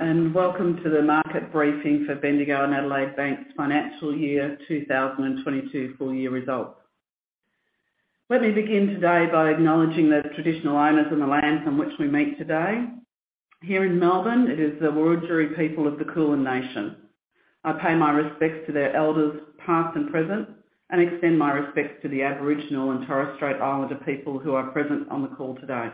Welcome to the Market Briefing for Bendigo and Adelaide Bank's Financial Year 2022 Full Year Results. Let me begin today by acknowledging the traditional owners of the lands on which we meet today. Here in Melbourne, it is the Wurundjeri people of the Kulin nation. I pay my respects to their elders, past and present, and extend my respects to the Aboriginal and Torres Strait Islander people who are present on the call today.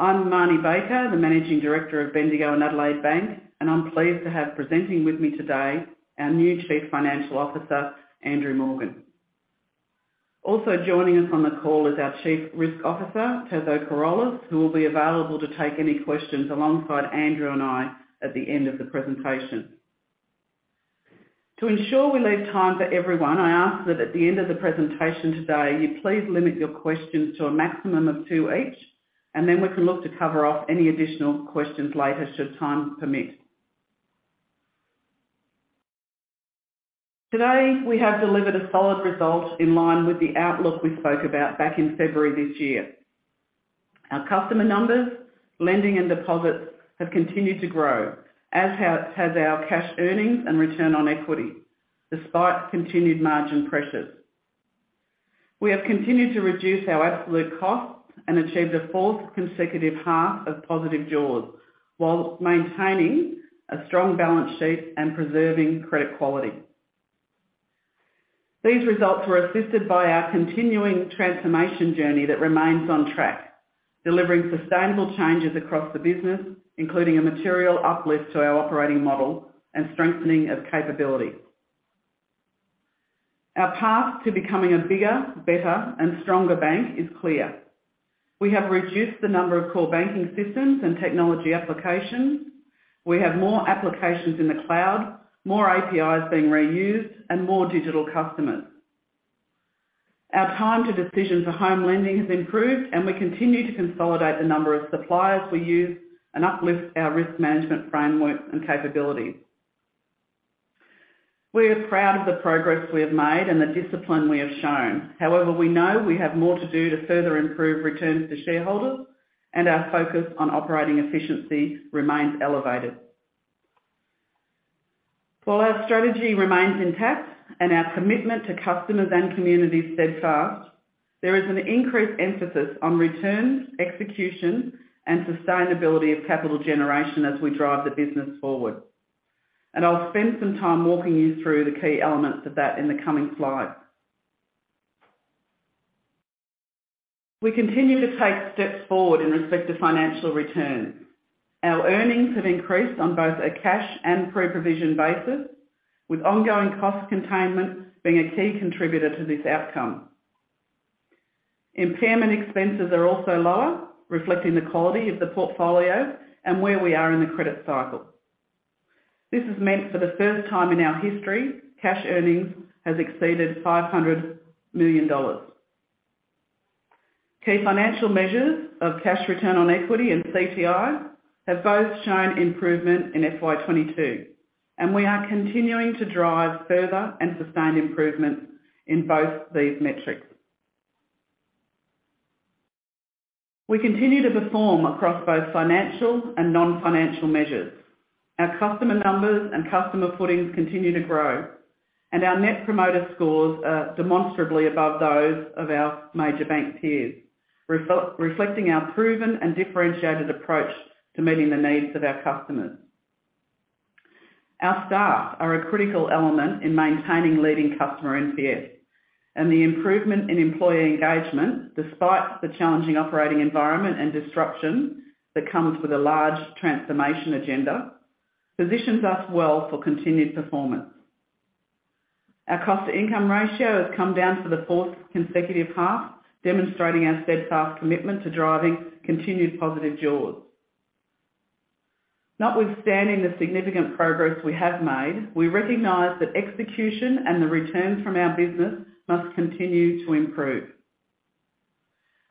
I'm Marnie Baker, the Managing Director of Bendigo and Adelaide Bank, and I'm pleased to have presenting with me today our new Chief Financial Officer, Andrew Morgan. Also joining us on the call is our Chief Risk Officer, Taso Corolis, who will be available to take any questions alongside Andrew and I at the end of the presentation. To ensure we leave time for everyone, I ask that at the end of the presentation today, you please limit your questions to a maximum of two each, and then we can look to cover off any additional questions later, should time permit. Today, we have delivered a solid result in line with the outlook we spoke about back in February this year. Our customer numbers, lending and deposits have continued to grow, as has our cash earnings and return on equity, despite continued margin pressures. We have continued to reduce our absolute costs and achieved a fourth consecutive half of positive jaws, while maintaining a strong balance sheet and preserving credit quality. These results were assisted by our continuing transformation journey that remains on track, delivering sustainable changes across the business, including a material uplift to our operating model and strengthening of capability. Our path to becoming a bigger, better and stronger bank is clear. We have reduced the number of core banking systems and technology applications, we have more applications in the cloud, more APIs being reused, and more digital customers. Our time to decision for home lending has improved, and we continue to consolidate the number of suppliers we use and uplift our risk management framework and capabilities. We are proud of the progress we have made and the discipline we have shown. However, we know we have more to do to further improve returns to shareholders, and our focus on operating efficiency remains elevated. While our strategy remains intact and our commitment to customers and communities steadfast, there is an increased emphasis on returns, execution, and sustainability of capital generation as we drive the business forward. I'll spend some time walking you through the key elements of that in the coming slides. We continue to take steps forward in respect to financial returns. Our earnings have increased on both a cash and pre-provision basis, with ongoing cost containment being a key contributor to this outcome. Impairment expenses are also lower, reflecting the quality of the portfolio and where we are in the credit cycle. This has meant for the first time in our history, cash earnings has exceeded 500 million dollars. Key financial measures of cash return on equity and CTI have both shown improvement in FY 2022, and we are continuing to drive further and sustained improvements in both these metrics. We continue to perform across both financial and non-financial measures. Our customer numbers and customer footings continue to grow, and our net promoter scores are demonstrably above those of our major bank peers, reflecting our proven and differentiated approach to meeting the needs of our customers. Our staff are a critical element in maintaining leading customer NPS and the improvement in employee engagement, despite the challenging operating environment and disruption that comes with a large transformation agenda, positions us well for continued performance. Our cost to income ratio has come down for the fourth consecutive half, demonstrating our steadfast commitment to driving continued positive jaws. Notwithstanding the significant progress we have made, we recognize that execution and the returns from our business must continue to improve.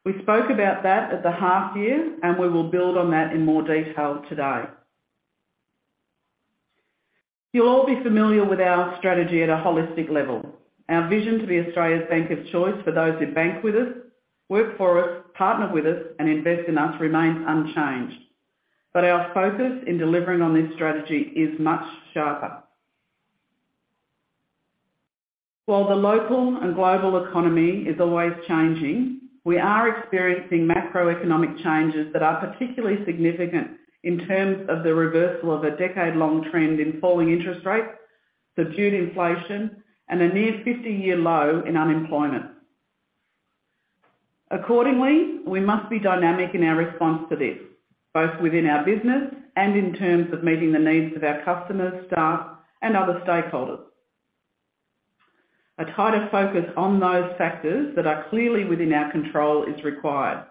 We spoke about that at the half year, and we will build on that in more detail today. You'll all be familiar with our strategy at a holistic level. Our vision to be Australia's bank of choice for those who bank with us, work for us, partner with us, and invest in us remains unchanged. Our focus in delivering on this strategy is much sharper. While the local and global economy is always changing, we are experiencing macroeconomic changes that are particularly significant in terms of the reversal of a decade-long trend in falling interest rates, subdued inflation, and a near 50-year low in unemployment. Accordingly, we must be dynamic in our response to this, both within our business and in terms of meeting the needs of our customers, staff, and other stakeholders. A tighter focus on those factors that are clearly within our control is required.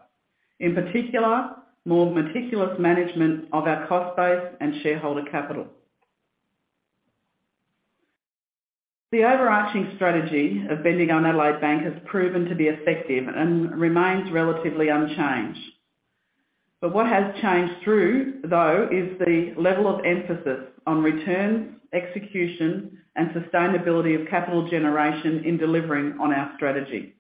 In particular, more meticulous management of our cost base and shareholder capital. The overarching strategy of Bendigo and Adelaide Bank has proven to be effective and remains relatively unchanged. What has changed through, though, is the level of emphasis on returns, execution, and sustainability of capital generation in delivering on our strategy.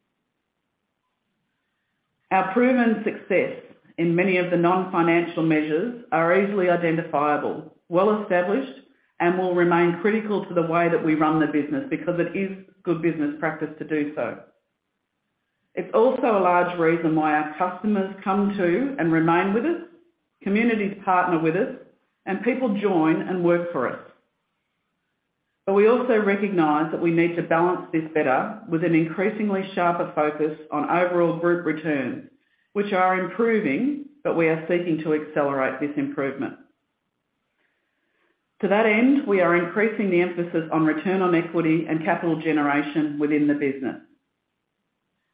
Our proven success in many of the non-financial measures are easily identifiable, well established, and will remain critical to the way that we run the business because it is good business practice to do so. It's also a large reason why our customers come to and remain with us, communities partner with us, and people join and work for us. We also recognize that we need to balance this better with an increasingly sharper focus on overall group returns, which are improving, but we are seeking to accelerate this improvement. To that end, we are increasing the emphasis on return on equity and capital generation within the business.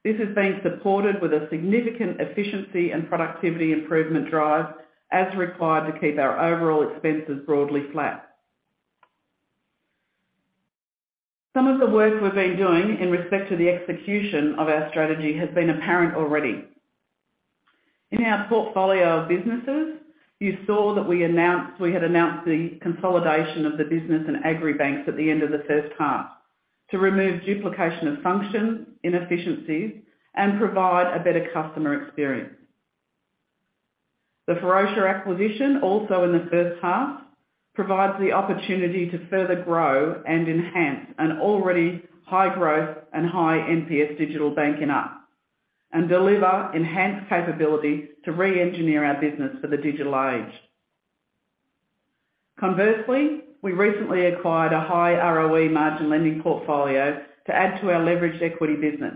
This is being supported with a significant efficiency and productivity improvement drive as required to keep our overall expenses broadly flat. Some of the work we've been doing in respect to the execution of our strategy has been apparent already. In our portfolio of businesses, you saw that we had announced the consolidation of the business and agri banks at the end of the first half to remove duplication of function, inefficiencies, and provide a better customer experience. The Ferocia acquisition, also in the first half, provides the opportunity to further grow and enhance an already high growth and high NPS digital bank in Up and deliver enhanced capability to re-engineer our business for the digital age. Conversely, we recently acquired a high ROE margin lending portfolio to add to our leveraged equity business,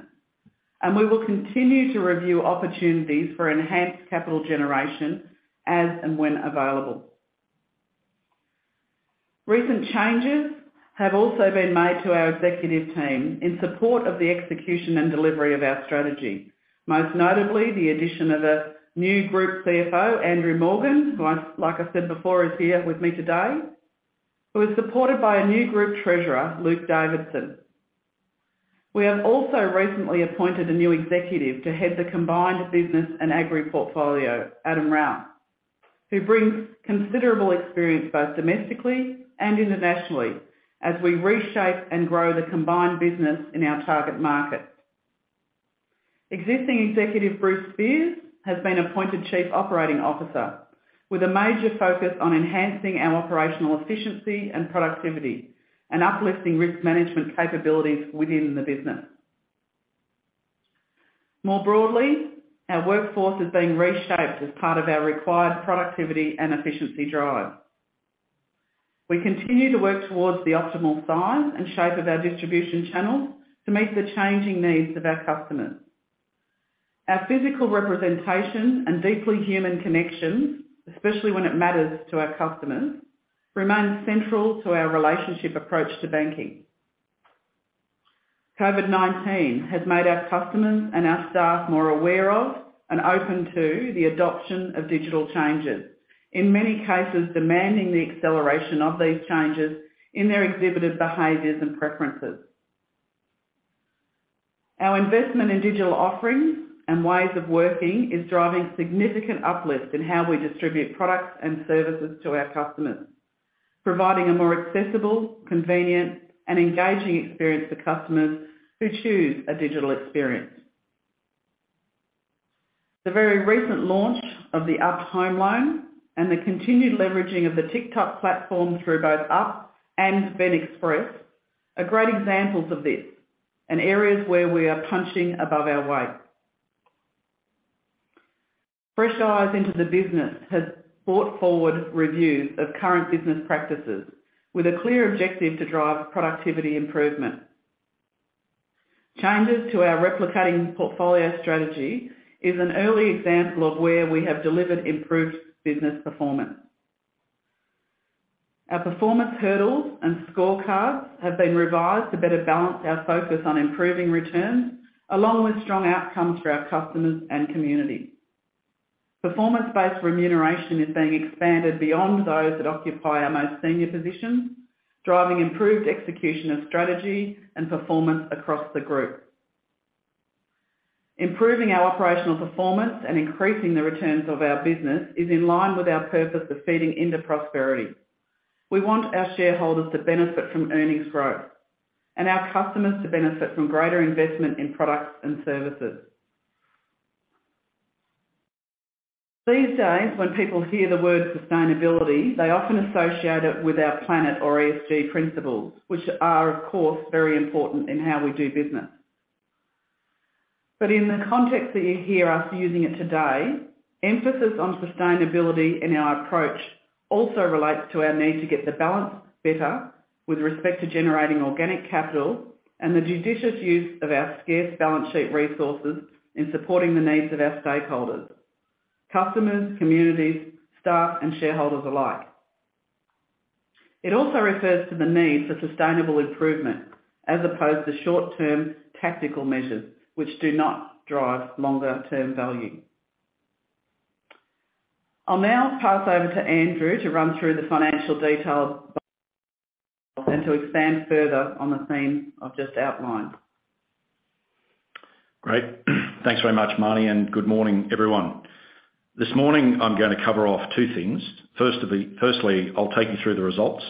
and we will continue to review opportunities for enhanced capital generation as and when available. Recent changes have also been made to our executive team in support of the execution and delivery of our strategy, most notably the addition of a new group CFO, Andrew Morgan, who, like I said before, is here with me today, who is supported by a new group Treasurer, Luke Davidson. We have also recently appointed a new Executive to head the combined business and agri portfolio, Adam Rowse, who brings considerable experience both domestically and internationally as we reshape and grow the combined business in our target markets. Existing executive Bruce Speirs has been appointed Chief Operating Officer with a major focus on enhancing our operational efficiency and productivity and uplifting risk management capabilities within the business. More broadly, our workforce is being reshaped as part of our required productivity and efficiency drive. We continue to work towards the optimal size and shape of our distribution channels to meet the changing needs of our customers. Our physical representation and deeply human connections, especially when it matters to our customers, remain central to our relationship approach to banking. COVID-19 has made our customers and our staff more aware of and open to the adoption of digital changes, in many cases demanding the acceleration of these changes in their exhibited behaviors and preferences. Our investment in digital offerings and ways of working is driving significant uplift in how we distribute products and services to our customers, providing a more accessible, convenient, and engaging experience for customers who choose a digital experience. The very recent launch of the Up Home Loan and the continued leveraging of the Tic:Toc platform through both Up and BEN Express are great examples of this and areas where we are punching above our weight. Fresh eyes into the business has brought forward reviews of current business practices with a clear objective to drive productivity improvement. Changes to our replicating portfolio strategy is an early example of where we have delivered improved business performance. Our performance hurdles and scorecards have been revised to better balance our focus on improving returns, along with strong outcomes for our customers and community. Performance-based remuneration is being expanded beyond those that occupy our most senior positions, driving improved execution of strategy and performance across the group. Improving our operational performance and increasing the returns of our business is in line with our purpose of feeding into prosperity. We want our shareholders to benefit from earnings growth and our customers to benefit from greater investment in products and services. These days, when people hear the word sustainability, they often associate it with our planet or ESG principles, which are, of course, very important in how we do business. In the context that you hear us using it today, emphasis on sustainability in our approach also relates to our need to get the balance better with respect to generating organic capital and the judicious use of our scarce balance sheet resources in supporting the needs of our stakeholders, customers, communities, staff, and shareholders alike. It also refers to the need for sustainable improvement as opposed to short-term tactical measures which do not drive longer term value. I'll now pass over to Andrew to run through the financial details and to expand further on the theme I've just outlined. Great. Thanks very much, Marnie, and good morning, everyone. This morning, I'm gonna cover off two things. Firstly, I'll take you through the results,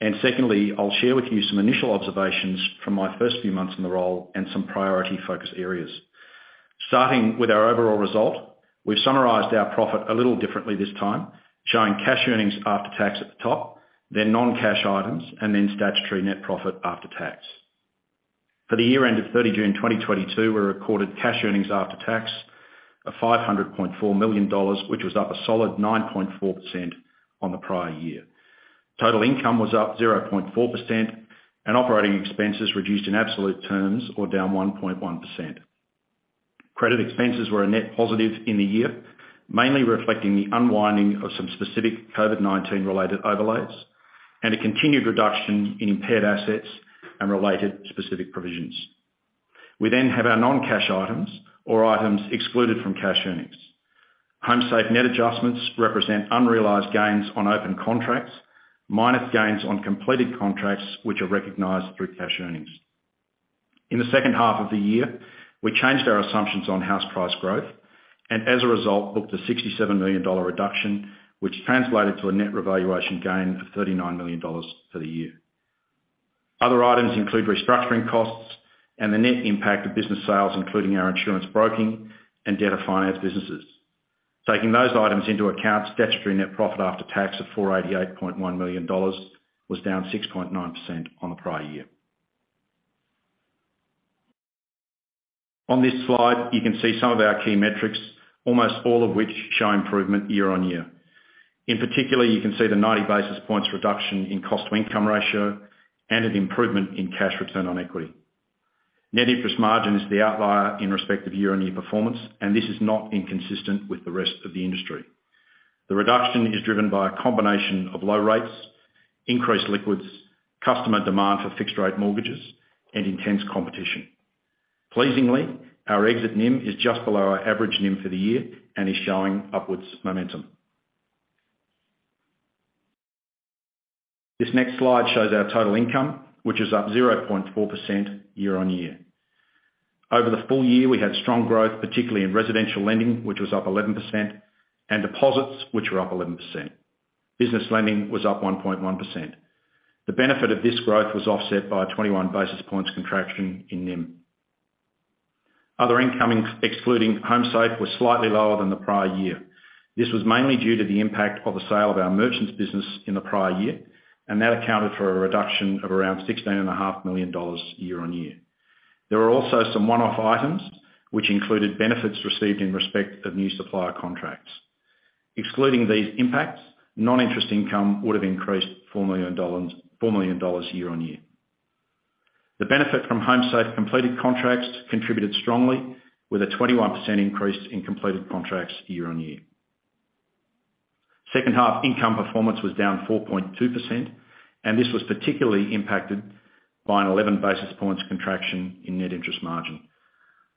and secondly, I'll share with you some initial observations from my first few months in the role and some priority focus areas. Starting with our overall result, we've summarized our profit a little differently this time, showing cash earnings after tax at the top, then non-cash items, and then statutory net profit after tax. For the year end of 30 June 2022, we recorded cash earnings after tax of 500.4 million dollars, which was up a solid 9.4% on the prior year. Total income was up 0.4%, and operating expenses reduced in absolute terms or down 1.1%. Credit expenses were a net positive in the year, mainly reflecting the unwinding of some specific COVID-19 related overlays and a continued reduction in impaired assets and related specific provisions. We have our non-cash items or items excluded from cash earnings. HomeSafe net adjustments represent unrealized gains on open contracts, minus gains on completed contracts which are recognized through cash earnings. In the second half of the year, we changed our assumptions on house price growth, and as a result, booked a 67 million dollar reduction, which translated to a net revaluation gain of 39 million dollars for the year. Other items include restructuring costs and the net impact of business sales, including our insurance broking and debtor finance businesses. Taking those items into account, statutory net profit after tax of 488.1 million dollars was down 6.9% on the prior year. On this slide, you can see some of our key metrics, almost all of which show improvement year-on-year. In particular, you can see the 90 basis points reduction in cost to income ratio and an improvement in cash return on equity. Net interest margin is the outlier in respect of year-on-year performance, and this is not inconsistent with the rest of the industry. The reduction is driven by a combination of low rates, increased liquidity, customer demand for fixed rate mortgages, and intense competition. Pleasingly, our exit NIM is just below our average NIM for the year and is showing upwards momentum. This next slide shows our total income, which is up 0.4% year-on-year. Over the full year, we had strong growth, particularly in residential lending, which was up 11%, and deposits, which were up 11%. Business lending was up 1.1%. The benefit of this growth was offset by a 21 basis points contraction in NIM. Other incoming, excluding HomeSafe, was slightly lower than the prior year. This was mainly due to the impact of the sale of our merchants business in the prior year, and that accounted for a reduction of around 16.5 million dollars year on year. There were also some one-off items which included benefits received in respect of new supplier contracts. Excluding these impacts, non-interest income would have increased 4 million dollars year on year. The benefit from HomeSafe completed contracts contributed strongly with a 21% increase in completed contracts year on year. Second half income performance was down 4.2%, and this was particularly impacted by an 11 basis points contraction in net interest margin.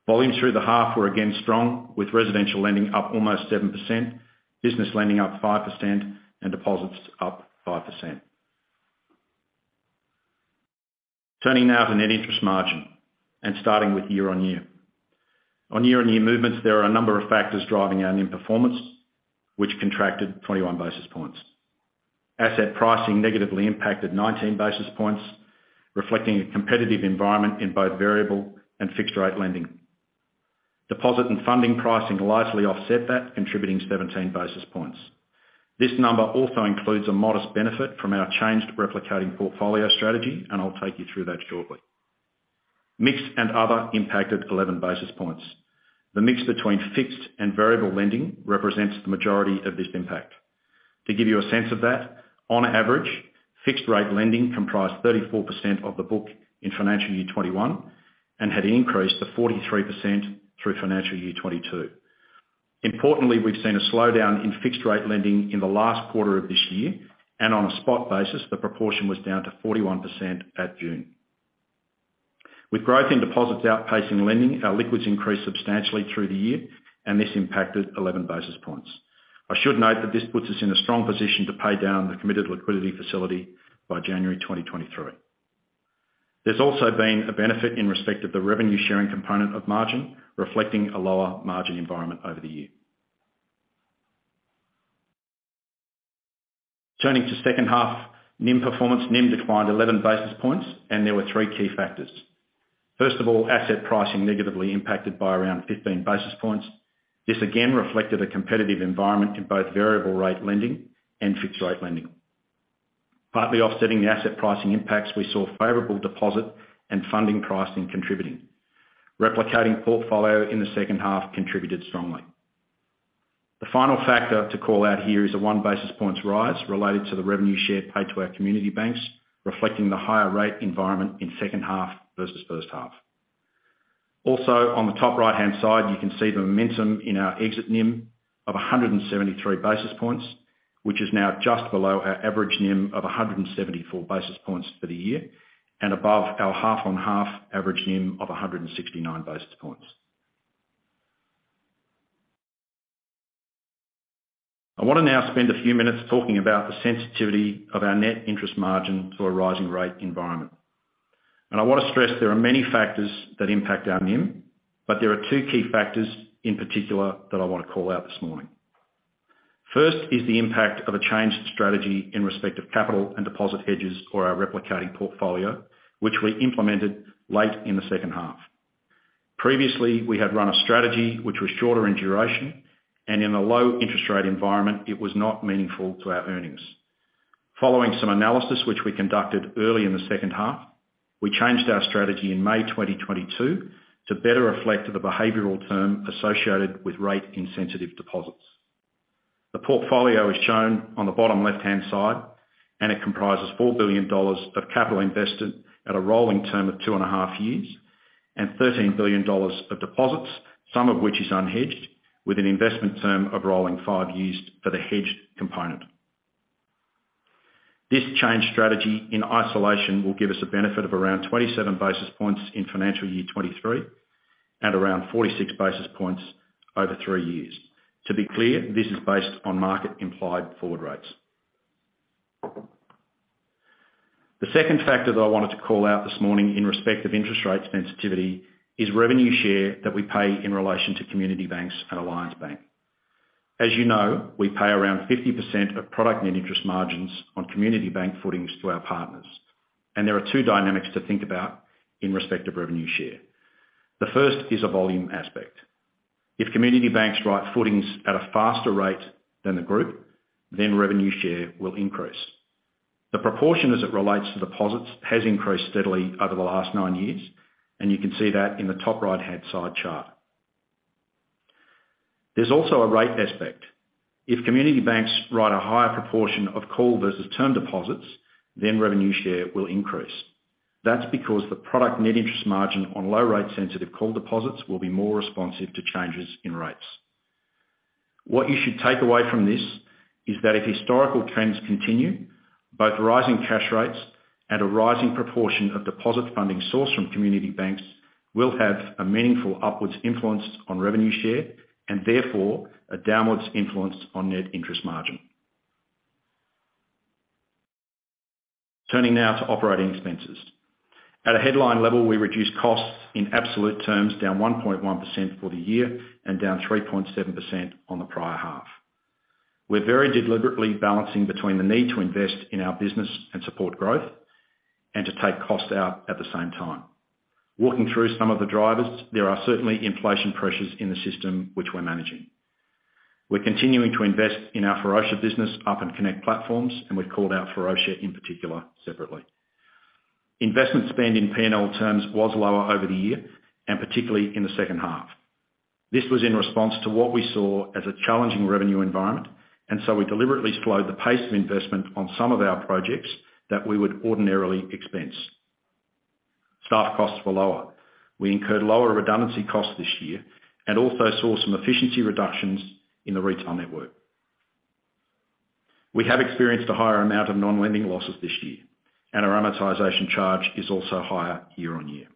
Volumes through the half were again strong with residential lending up almost 7%, business lending up 5% and deposits up 5%. Turning now to net interest margin and starting with year-on-year. On year-on-year movements, there are a number of factors driving our NIM performance, which contracted 21 basis points. Asset pricing negatively impacted 19 basis points, reflecting a competitive environment in both variable and fixed rate lending. Deposit and funding pricing lightly offset that, contributing 17 basis points. This number also includes a modest benefit from our changed replicating portfolio strategy, and I'll take you through that shortly. Mix and other impacted 11 basis points. The mix between fixed and variable lending represents the majority of this impact. To give you a sense of that, on average, fixed rate lending comprised 34% of the book in financial year 2021 and had increased to 43% through financial year 2022. Importantly, we've seen a slowdown in fixed rate lending in the last quarter of this year, and on a spot basis, the proportion was down to 41% at June. With growth in deposits outpacing lending, our liquidity increased substantially through the year, and this impacted 11 basis points. I should note that this puts us in a strong position to pay down the Committed Liquidity Facility by January 2023. There's also been a benefit in respect of the revenue sharing component of margin, reflecting a lower margin environment over the year. Turning to second half NIM performance, NIM declined 11 basis points, and there were three key factors. First of all, asset pricing negatively impacted by around 15 basis points. This again reflected a competitive environment in both variable rate lending and fixed rate lending. Partly offsetting the asset pricing impacts, we saw favorable deposit and funding pricing contributing. Replicating portfolio in the second half contributed strongly. The final factor to call out here is the one basis point rise related to the revenue share paid to our community banks, reflecting the higher rate environment in second half versus first half. Also, on the top right-hand side, you can see the momentum in our exit NIM of 173 basis points, which is now just below our average NIM of 174 basis points for the year and above our half on half average NIM of 169 basis points. I wanna now spend a few minutes talking about the sensitivity of our net interest margin to a rising rate environment. I want to stress there are many factors that impact our NIM, but there are two key factors in particular that I want to call out this morning. First is the impact of a changed strategy in respect of capital and deposit hedges or our replicating portfolio, which we implemented late in the second half. Previously, we had run a strategy which was shorter in duration, and in a low interest rate environment, it was not meaningful to our earnings. Following some analysis, which we conducted early in the second half, we changed our strategy in May 2022 to better reflect the behavioral term associated with rate insensitive deposits. The portfolio is shown on the bottom left-hand side, and it comprises 4 billion dollars of capital invested at a rolling term of two and a half years and 13 billion dollars of deposits, some of which is unhedged, with an investment term of rolling five years for the hedged component. This change strategy in isolation will give us a benefit of around 27 basis points in financial year 2023 and around 46 basis points over three years. To be clear, this is based on market implied forward rates. The second factor that I wanted to call out this morning in respect of interest rate sensitivity is revenue share that we pay in relation to Community Banks and Alliance Bank. As you know, we pay around 50% of product net interest margins on Community Bank footings to our partners, and there are two dynamics to think about in respect of revenue share. The first is a volume aspect. If Community Banks write footings at a faster rate than the group, then revenue share will increase. The proportion as it relates to deposits has increased steadily over the last nine years, and you can see that in the top right-hand side chart. There's also a rate aspect. If Community Banks write a higher proportion of call versus term deposits, then revenue share will increase. That's because the product net interest margin on low rate sensitive call deposits will be more responsive to changes in rates. What you should take away from this is that if historical trends continue, both rising cash rates and a rising proportion of deposit funding sourced from Community Banks will have a meaningful upward influence on revenue share, and therefore a downward influence on net interest margin. Turning now to operating expenses. At a headline level, we reduced costs in absolute terms, down 1.1% for the year and down 3.7% on the prior half. We're very deliberately balancing between the need to invest in our business and support growth and to take costs out at the same time. Walking through some of the drivers, there are certainly inflation pressures in the system which we're managing. We're continuing to invest in our Ferocia business, Up and connect platforms, and we've called out Ferocia in particular separately. Investment spend in P&L terms was lower over the year, and particularly in the second half. This was in response to what we saw as a challenging revenue environment, and so we deliberately slowed the pace of investment on some of our projects that we would ordinarily expense. Staff costs were lower. We incurred lower redundancy costs this year and also saw some efficiency reductions in the retail network. We have experienced a higher amount of non-lending losses this year, and our amortization charge is also higher year on year.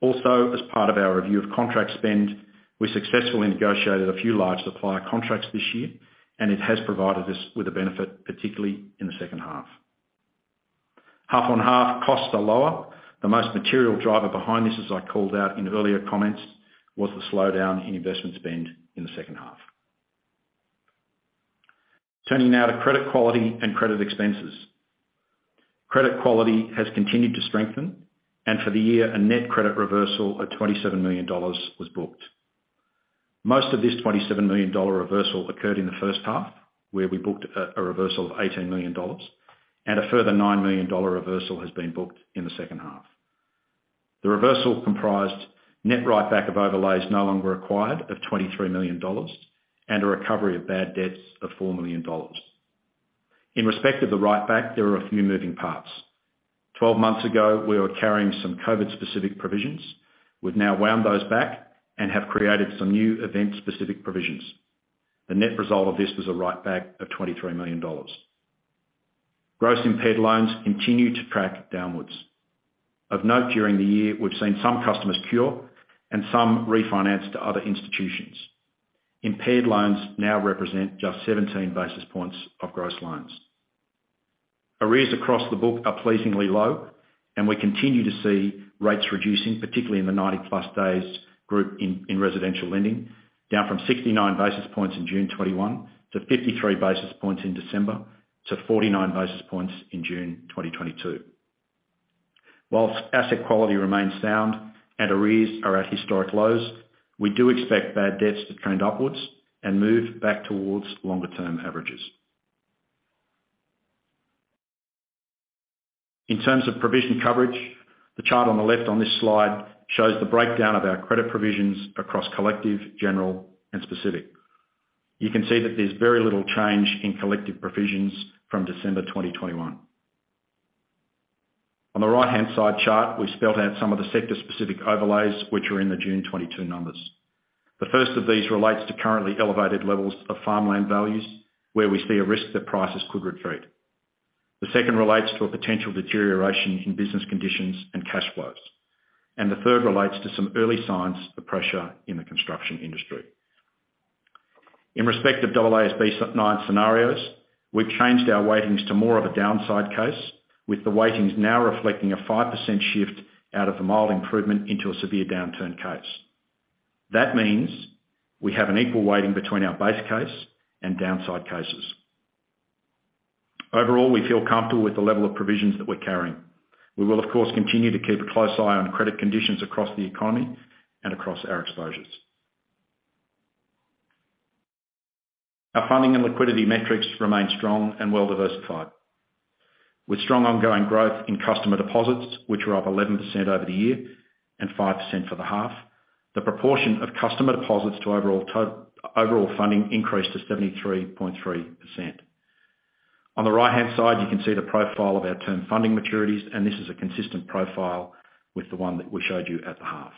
Also, as part of our review of contract spend, we successfully negotiated a few large supplier contracts this year, and it has provided us with a benefit, particularly in the second half. Half on half costs are lower. The most material driver behind this, as I called out in earlier comments, was the slowdown in investment spend in the second half. Turning now to credit quality and credit expenses. Credit quality has continued to strengthen, and for the year, a net credit reversal of 27 million dollars was booked. Most of this 27 million dollar reversal occurred in the first half, where we booked a reversal of 18 million dollars, and a further 9 million dollar reversal has been booked in the second half. The reversal comprised net write back of overlays no longer required of 23 million dollars and a recovery of bad debts of 4 million dollars. In respect of the write back, there are a few moving parts. Twelve months ago, we were carrying some COVID specific provisions. We've now wound those back and have created some new event specific provisions. The net result of this was a write back of 23 million dollars. Gross impaired loans continue to track downwards. Of note during the year, we've seen some customers cure and some refinance to other institutions. Impaired loans now represent just 17 basis points of gross loans. Arrears across the book are pleasingly low, and we continue to see rates reducing, particularly in the 90-plus days group in residential lending, down from 69 basis points in June 2021, to 53 basis points in December, to 49 basis points in June 2022. While asset quality remains sound and arrears are at historic lows, we do expect bad debts to trend upwards and move back towards longer term averages. In terms of provision coverage, the chart on the left on this slide shows the breakdown of our credit provisions across collective, general, and specific. You can see that there's very little change in collective provisions from December 2021. On the right-hand side chart, we spelled out some of the sector specific overlays which are in the June 2022 numbers. The first of these relates to currently elevated levels of farmland values, where we see a risk that prices could retreat. The second relates to a potential deterioration in business conditions and cash flows. The third relates to some early signs of pressure in the construction industry. In respect of AASB 9 scenarios, we've changed our weightings to more of a downside case, with the weightings now reflecting a 5% shift out of a mild improvement into a severe downturn case. That means we have an equal weighting between our base case and downside cases. Overall, we feel comfortable with the level of provisions that we're carrying. We will, of course, continue to keep a close eye on credit conditions across the economy and across our exposures. Our funding and liquidity metrics remain strong and well-diversified. With strong ongoing growth in customer deposits, which were up 11% over the year and 5% for the half, the proportion of customer deposits to overall funding increased to 73.3%. On the right-hand side, you can see the profile of our term funding maturities, and this is a consistent profile with the one that we showed you at the half.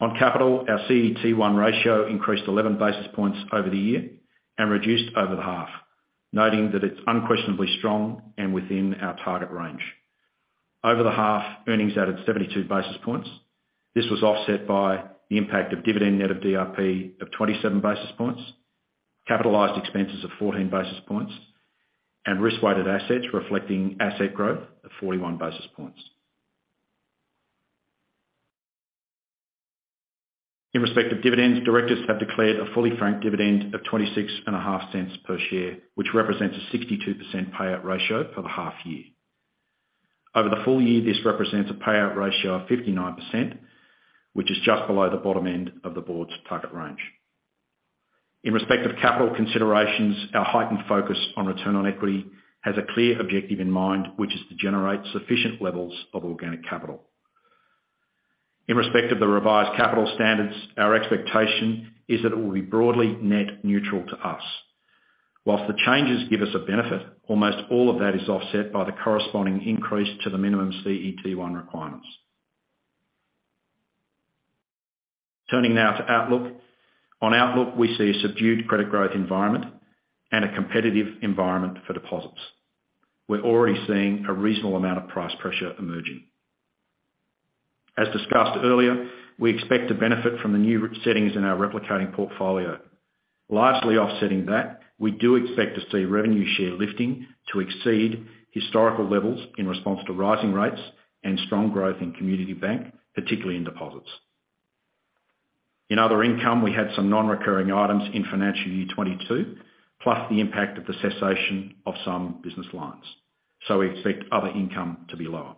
On capital, our CET1 ratio increased 11 basis points over the year and reduced over the half, noting that it's unquestionably strong and within our target range. Over the half, earnings added 72 basis points. This was offset by the impact of dividend net of DRP of 27 basis points, capitalized expenses of 14 basis points, and risk-weighted assets reflecting asset growth of 41 basis points. In respect of dividends, directors have declared a fully franked dividend of 0.265 per share, which represents a 62% payout ratio for the half year. Over the full year, this represents a payout ratio of 59%, which is just below the bottom end of the board's target range. In respect of capital considerations, our heightened focus on return on equity has a clear objective in mind, which is to generate sufficient levels of organic capital. In respect of the revised capital standards, our expectation is that it will be broadly net neutral to us. While the changes give us a benefit, almost all of that is offset by the corresponding increase to the minimum CET1 requirements. Turning now to outlook. On outlook, we see a subdued credit growth environment and a competitive environment for deposits. We're already seeing a reasonable amount of price pressure emerging. As discussed earlier, we expect to benefit from the new settings in our replicating portfolio. Largely offsetting that, we do expect to see revenue share lifting to exceed historical levels in response to rising rates and strong growth in Community Bank, particularly in deposits. In other income, we had some non-recurring items in financial year 2022, plus the impact of the cessation of some business lines. We expect other income to be lower.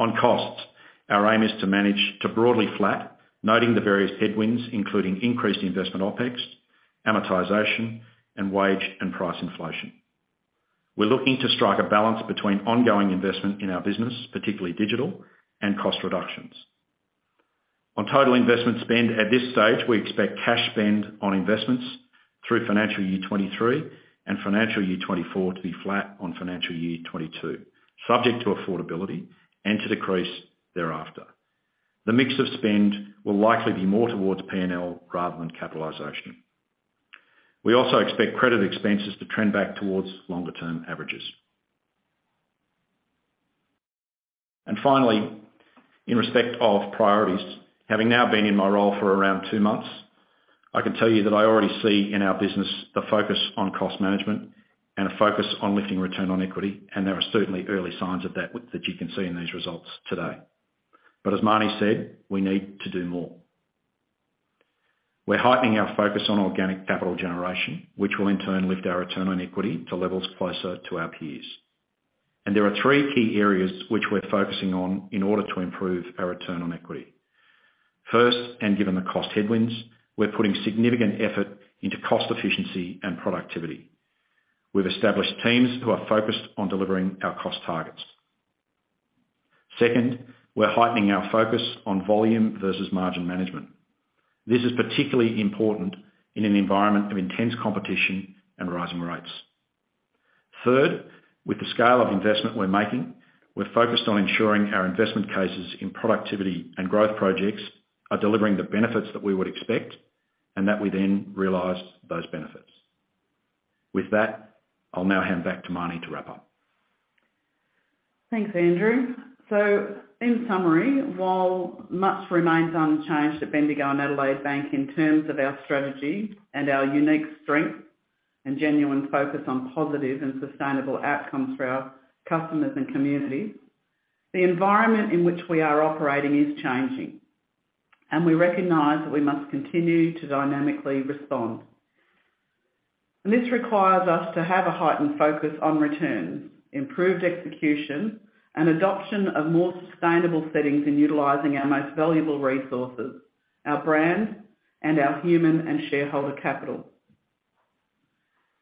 On costs, our aim is to manage to broadly flat, noting the various headwinds, including increased investment OpEx, amortization, and wage and price inflation. We're looking to strike a balance between ongoing investment in our business, particularly digital and cost reductions. On total investment spend, at this stage, we expect cash spend on investments through financial year 2023 and financial year 2024 to be flat on financial year 2022, subject to affordability and to decrease thereafter. The mix of spend will likely be more towards P&L rather than capitalization. We also expect credit expenses to trend back towards longer-term averages. Finally, in respect of priorities, having now been in my role for around two months, I can tell you that I already see in our business the focus on cost management and a focus on lifting return on equity, and there are certainly early signs of that with that you can see in these results today. As Marnie said, we need to do more. We're heightening our focus on organic capital generation, which will in turn lift our return on equity to levels closer to our peers. There are three key areas which we're focusing on in order to improve our return on equity. First, and given the cost headwinds, we're putting significant effort into cost efficiency and productivity. We've established teams who are focused on delivering our cost targets. Second, we're heightening our focus on volume versus margin management. This is particularly important in an environment of intense competition and rising rates. Third, with the scale of investment we're making, we're focused on ensuring our investment cases in productivity and growth projects are delivering the benefits that we would expect and that we then realize those benefits. With that, I'll now hand back to Marnie to wrap up. Thanks, Andrew. In summary, while much remains unchanged at Bendigo and Adelaide Bank in terms of our strategy and our unique strength and genuine focus on positive and sustainable outcomes for our customers and community, the environment in which we are operating is changing, and we recognize that we must continue to dynamically respond. This requires us to have a heightened focus on returns, improved execution, and adoption of more sustainable settings in utilizing our most valuable resources, our brand and our human and shareholder capital.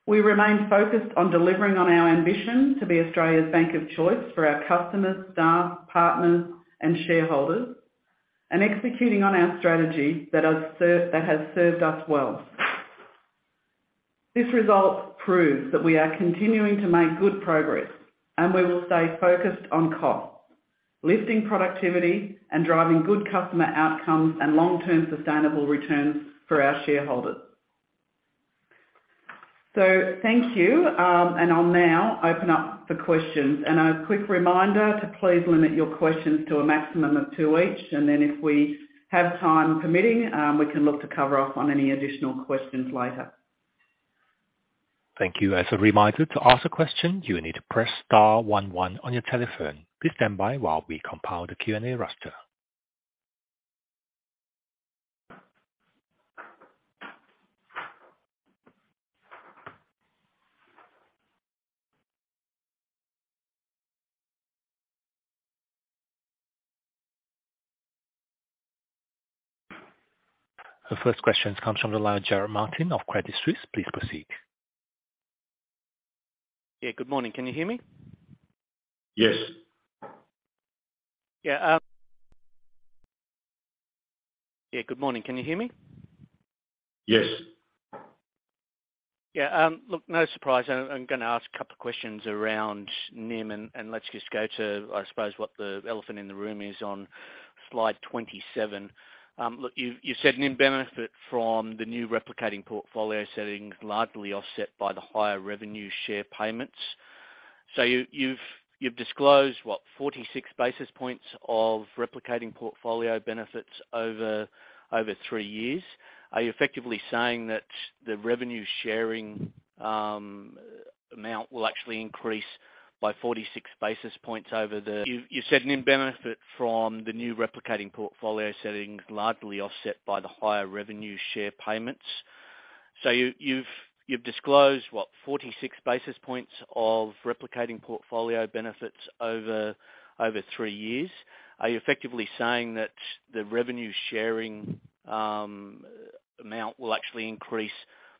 We remain focused on delivering on our ambition to be Australia's bank of choice for our customers, staff, partners, and shareholders, and executing on our strategy that has served us well. This result proves that we are continuing to make good progress, and we will stay focused on costs, lifting productivity, and driving good customer outcomes and long-term sustainable returns for our shareholders. Thank you. I'll now open up for questions. A quick reminder to please limit your questions to a maximum of two each, and then if we have time permitting, we can look to cover off on any additional questions later. Thank you. As a reminder to ask a question, you need to press star one one on your telephone. Please stand by while we compile the Q&A roster. The first question comes from the line, Jarrod Martin of Credit Suisse. Please proceed. Yeah, good morning. Can you hear me? Yes. Yeah. Yeah, good morning. Can you hear me? Yes. Yeah. Look, no surprise. I'm gonna ask a couple of questions around NIM, and let's just go to, I suppose, what the elephant in the room is on slide 27. Look, you said NIM benefit from the new replicating portfolio setting largely offset by the higher revenue share payments. You've disclosed what, 46 basis points of replicating portfolio benefits over three years. Are you effectively saying that the revenue sharing amount will actually increase by 46 basis points over the. You've said NIM benefit from the new replicating portfolio setting largely offset by the higher revenue share payments. You've disclosed what, 46 basis points of replicating portfolio benefits over three years. Are you effectively saying that the revenue sharing amount will actually increase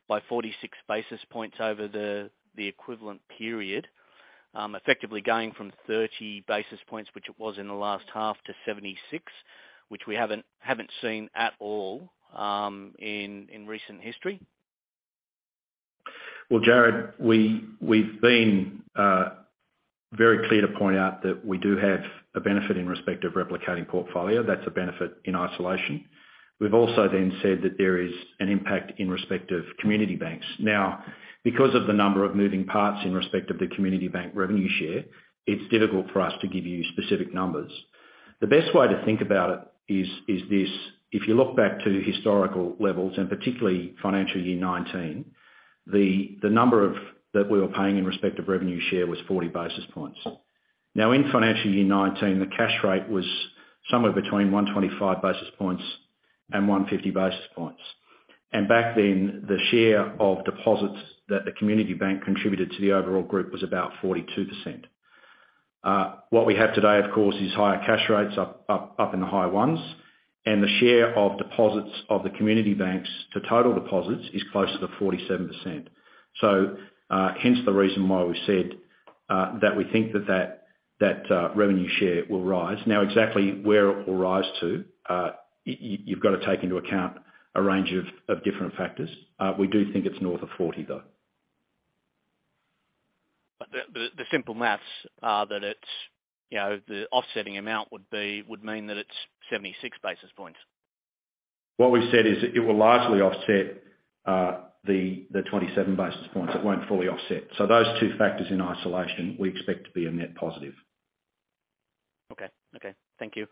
by 46 basis points over the equivalent period, effectively going from 30 basis points, which it was in the last half to 76, which we haven't seen at all, in recent history? Well, Jarrod, we've been very clear to point out that we do have a benefit in respect of replicating portfolio. That's a benefit in isolation. We've also then said that there is an impact in respect of Community Bank. Now, because of the number of moving parts in respect of the Community Bank revenue share, it's difficult for us to give you specific numbers. The best way to think about it is this. If you look back to historical levels, particularly financial year 2019, the number that we were paying in respect of revenue share was 40 basis points. Now, in financial year 2019, the cash rate was somewhere between 125 basis points and 150 basis points. Back then, the share of deposits that the Community Bank contributed to the overall group was about 42%. What we have today, of course, is higher cash rates up in the high ones, and the share of deposits of the community banks to total deposits is closer to 47%. Hence the reason why we said that we think that revenue share will rise. Now, exactly where it will rise to, you've got to take into account a range of different factors. We do think it's north of 40, though. The simple math is that it's, you know, the offsetting amount would mean that it's 76 basis points. What we've said is it will largely offset the 27 basis points. It won't fully offset. Those two factors in isolation, we expect to be a net positive. Okay. Thank you.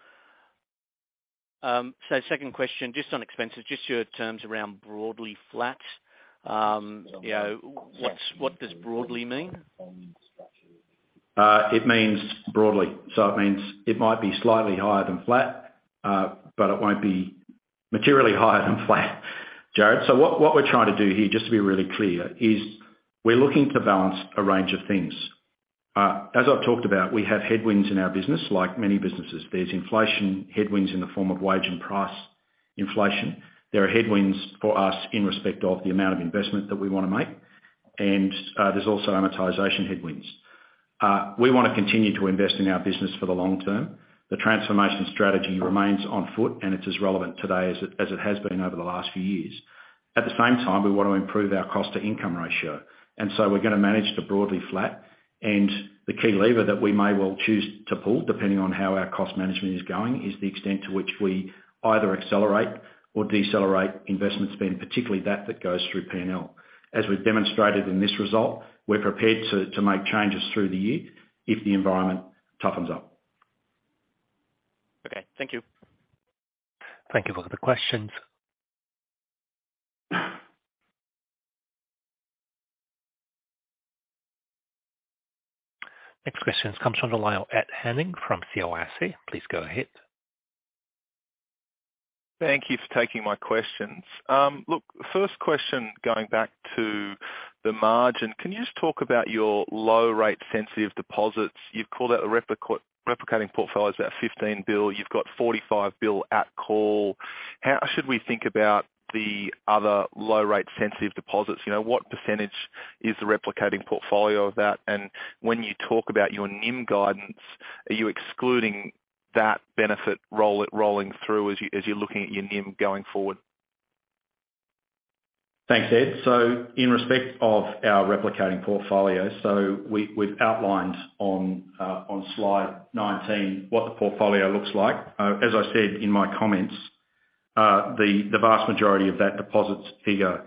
Second question, just on expenses, just your terms around broadly flat. You know, what does broadly mean? It means broadly. It means it might be slightly higher than flat, but it won't be materially higher than flat, Jarrod. What we're trying to do here, just to be really clear, is we're looking to balance a range of things. As I've talked about, we have headwinds in our business, like many businesses. There's inflation headwinds in the form of wage and price inflation. There are headwinds for us in respect of the amount of investment that we wanna make, and there's also amortization headwinds. We wanna continue to invest in our business for the long term. The transformation strategy remains on foot, and it's as relevant today as it has been over the last few years. At the same time, we want to improve our cost to income ratio, and so we're gonna manage to broadly flat. The key lever that we may well choose to pull, depending on how our cost management is going, is the extent to which we either accelerate or decelerate investment spend, particularly that goes through P&L. As we've demonstrated in this result, we're prepared to make changes through the year if the environment toughens up. Okay. Thank you. Thank you for the questions. Next question comes from the line, Ed Henning from CLSA. Please go ahead. Thank you for taking my questions. Look, first question, going back to the margin. Can you just talk about your low rate sensitive deposits? You've called out the replicating portfolio's about 15 billion, you've got 45 billion at call. How should we think about the other low rate sensitive deposits? You know, what percentage is the replicating portfolio of that? And when you talk about your NIM guidance, are you excluding that benefit rolling through as you're looking at your NIM going forward? Thanks, Ed. In respect of our replicating portfolio, we've outlined on slide 19 what the portfolio looks like. As I said in my comments, the vast majority of that deposits figure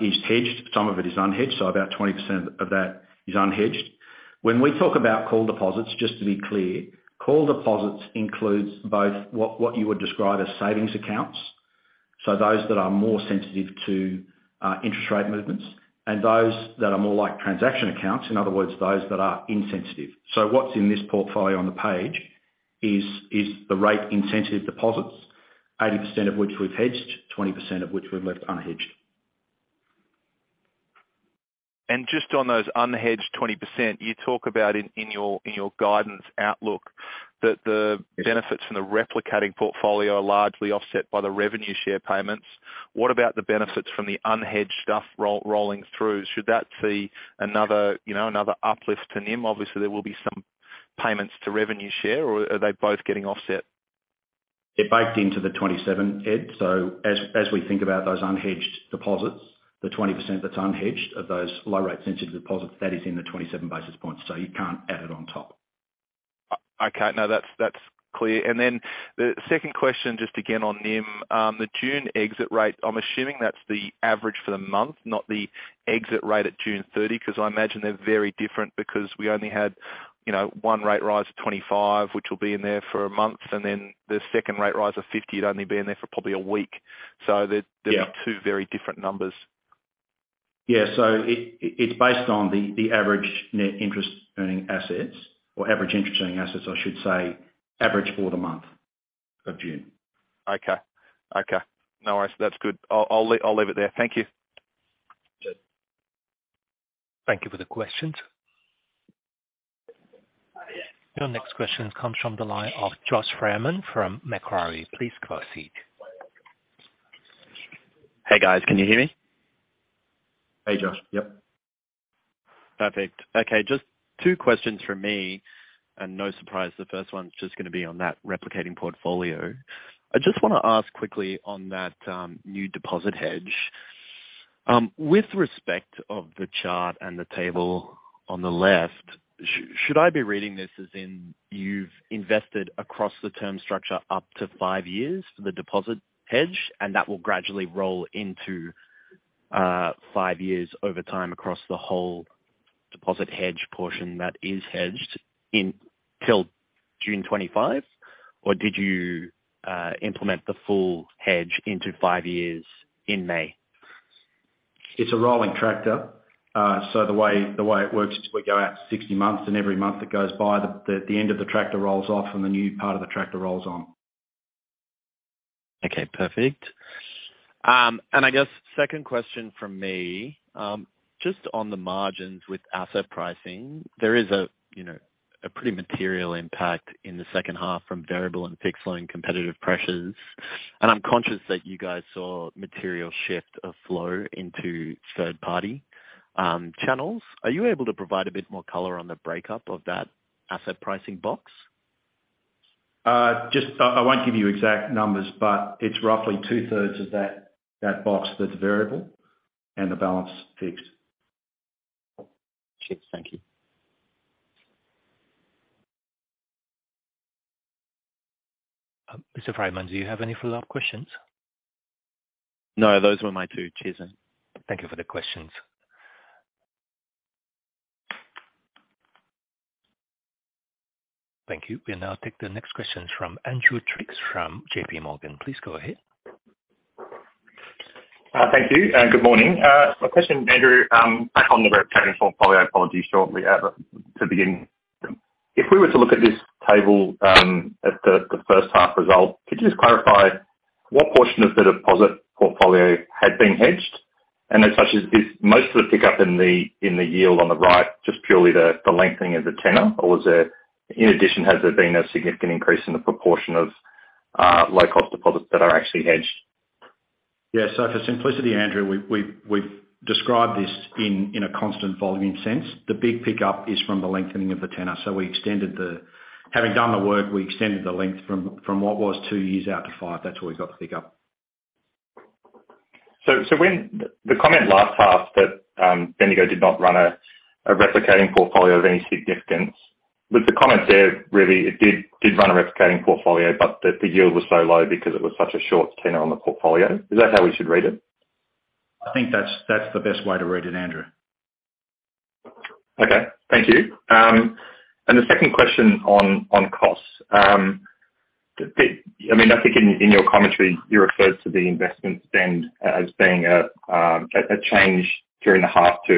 is hedged. Some of it is unhedged, so about 20% of that is unhedged. When we talk about call deposits, just to be clear, call deposits includes both what you would describe as savings accounts, so those that are more sensitive to interest rate movements and those that are more like transaction accounts, in other words, those that are insensitive. What's in this portfolio on the page is the rate insensitive deposits, 80% of which we've hedged, 20% of which we've left unhedged. Just on those unhedged 20%, you talk about in your guidance outlook. Yes. Benefits from the replicating portfolio are largely offset by the revenue share payments. What about the benefits from the unhedged stuff roll, rolling through? Should that see another, you know, another uplift to NIM? Obviously, there will be some payments to revenue share, or are they both getting offset? They're baked into the 27, Ed. As we think about those unhedged deposits, the 20% that's unhedged of those low rate sensitive deposits, that is in the 27 basis points, you can't add it on top. Okay. No, that's clear. Then the second question, just again on NIM, the June exit rate, I'm assuming that's the average for the month, not the exit rate at June 30, 'cause I imagine they're very different because we only had, you know, one rate rise of 25, which will be in there for a month, and then the second rate rise of 50 would only be in there for probably a week. Yeah. Two very different numbers. It's based on the average net interest earning assets or average interest-earning assets, I should say, average for the month of June. Okay. No worries. That's good. I'll leave it there. Thank you. Sure. Thank you for the questions. Your next question comes from the line of Josh Freeman from Macquarie. Please proceed. Hey, guys, can you hear me? Hey, Josh. Yep. Perfect. Okay, just two questions from me, and no surprise, the first one's just gonna be on that replicating portfolio. I just wanna ask quickly on that, new deposit hedge. With respect to the chart and the table on the left, should I be reading this as in you've invested across the term structure up to five years for the deposit hedge, and that will gradually roll into, five years over time across the whole deposit hedge portion that is hedged until June 2025? Or did you, implement the full hedge into five years in May? It's a rolling tractor. The way it works is we go out 60 months, and every month that goes by the end of the tractor rolls off and the new part of the tractor rolls on. Okay, perfect. And I guess second question from me, just on the margins with asset pricing. There is a, you know, a pretty material impact in the second half from variable and fixed loan competitive pressures, and I'm conscious that you guys saw a material shift of flow into third-party channels. Are you able to provide a bit more color on the breakup of that asset pricing box? I won't give you exact numbers, but it's roughly two-thirds of that box that's variable and the balance fixed. Fixed. Thank you. Mr. Freeman, do you have any follow-up questions? No, those were my two. Cheers then. Thank you for the questions. Thank you. We'll now take the next questions from Andrew Triggs from J.P. Morgan. Please go ahead. Thank you, and good morning. My question, Andrew, back on the replicating portfolio. If we were to look at this table, at the first half results, could you just clarify what portion of the deposit portfolio had been hedged? And as such, is most of the pickup in the yield on the right just purely the lengthening of the tenor? Or is there? In addition, has there been a significant increase in the proportion of low cost deposits that are actually hedged? For simplicity, Andrew, we've described this in a constant volume sense. The big pickup is from the lengthening of the tenor. Having done the work, we extended the length from what was two years out to five. That's where we got the pickup. When the comment last half that Bendigo did not run a replicating portfolio of any significance. Was the comment there really it did run a replicating portfolio but the yield was so low because it was such a short tenor on the portfolio? Is that how we should read it? I think that's the best way to read it, Andrew. Okay. Thank you. The second question on costs. I mean, I think in your commentary, you referred to the investment spend as being a change during the half to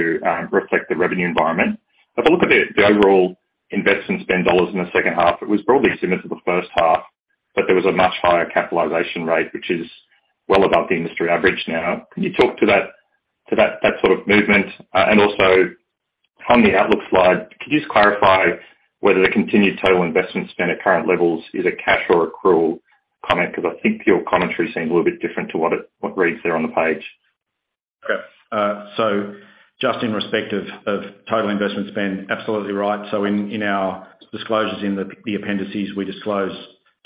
reflect the revenue environment. If I look at the overall investment spend dollars in the second half, it was broadly similar to the first half, but there was a much higher capitalization rate, which is well above the industry average now. Can you talk to that sort of movement? And also on the outlook slide, could you just clarify whether the continued total investment spend at current levels is a cash or accrual comment? Because I think your commentary seemed a little bit different to what it reads there on the page. Okay, so just in respect of total investment spend, absolutely right. In our disclosures in the appendices, we disclose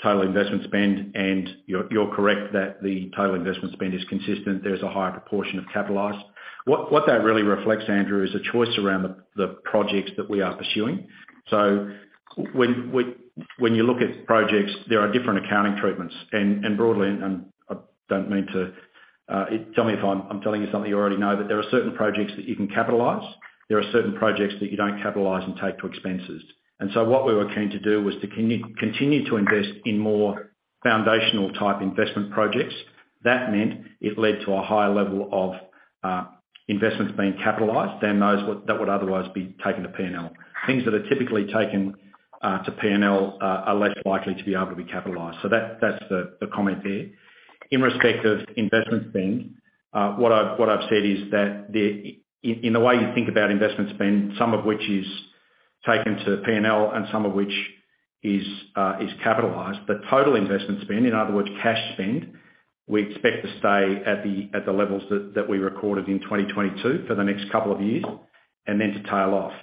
total investment spend, and you're correct that the total investment spend is consistent. There's a higher proportion of capitalized. What that really reflects, Andrew, is a choice around the projects that we are pursuing. When you look at projects, there are different accounting treatments and broadly, I don't mean to tell me if I'm telling you something you already know, but there are certain projects that you can capitalize. There are certain projects that you don't capitalize and take to expenses. What we were keen to do was to continue to invest in more foundational type investment projects. That meant it led to a higher level of investments being capitalized than those that would otherwise be taken to P&L. Things that are typically taken to P&L are less likely to be able to be capitalized. That's the comment there. In respect of investment spend, what I've said is that in a way you think about investment spend, some of which is taken to P&L and some of which is capitalized. Total investment spend, in other words, cash spend, we expect to stay at the levels that we recorded in 2022 for the next couple of years, and then to tail off.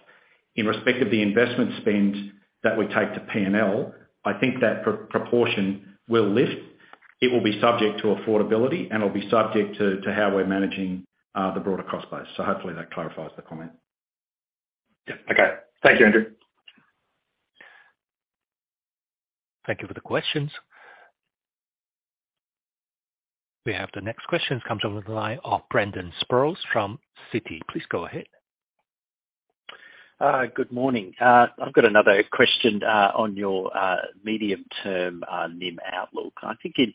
In respect of the investment spend that we take to P&L, I think that proportion will lift. It will be subject to affordability, and it will be subject to how we're managing the broader cost base. Hopefully that clarifies the comment. Yeah. Okay. Thank you, Andrew. Thank you for the questions. We have the next question. It comes over the line of Brendan Sproules from Citi. Please go ahead. Good morning. I've got another question on your medium-term NIM outlook. I think in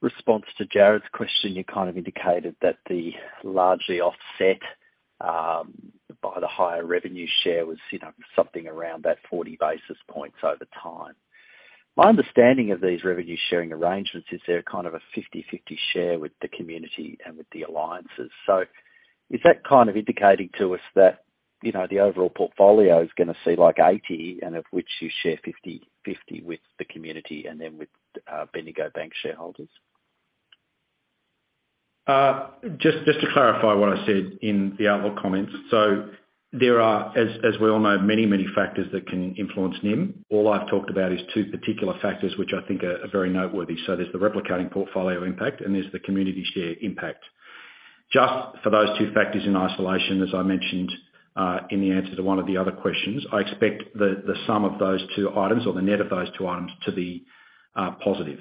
response to Jarrod's question, you kind of indicated that it was largely offset by the higher revenue share, you know, something around that 40 basis points over time. My understanding of these revenue-sharing arrangements is they're kind of a 50/50 share with the community and with the alliances. Is that kind of indicating to us that, you know, the overall portfolio is gonna see like 80 and of which you share 50/50 with the community and then with Bendigo Bank shareholders? Just to clarify what I said in the outlook comments. There are, as we all know, many factors that can influence NIM. All I've talked about is two particular factors which I think are very noteworthy. There's the replicating portfolio impact and there's the community share impact. Just for those two factors in isolation, as I mentioned, in the answer to one of the other questions, I expect the sum of those two items or the net of those two items to be positive.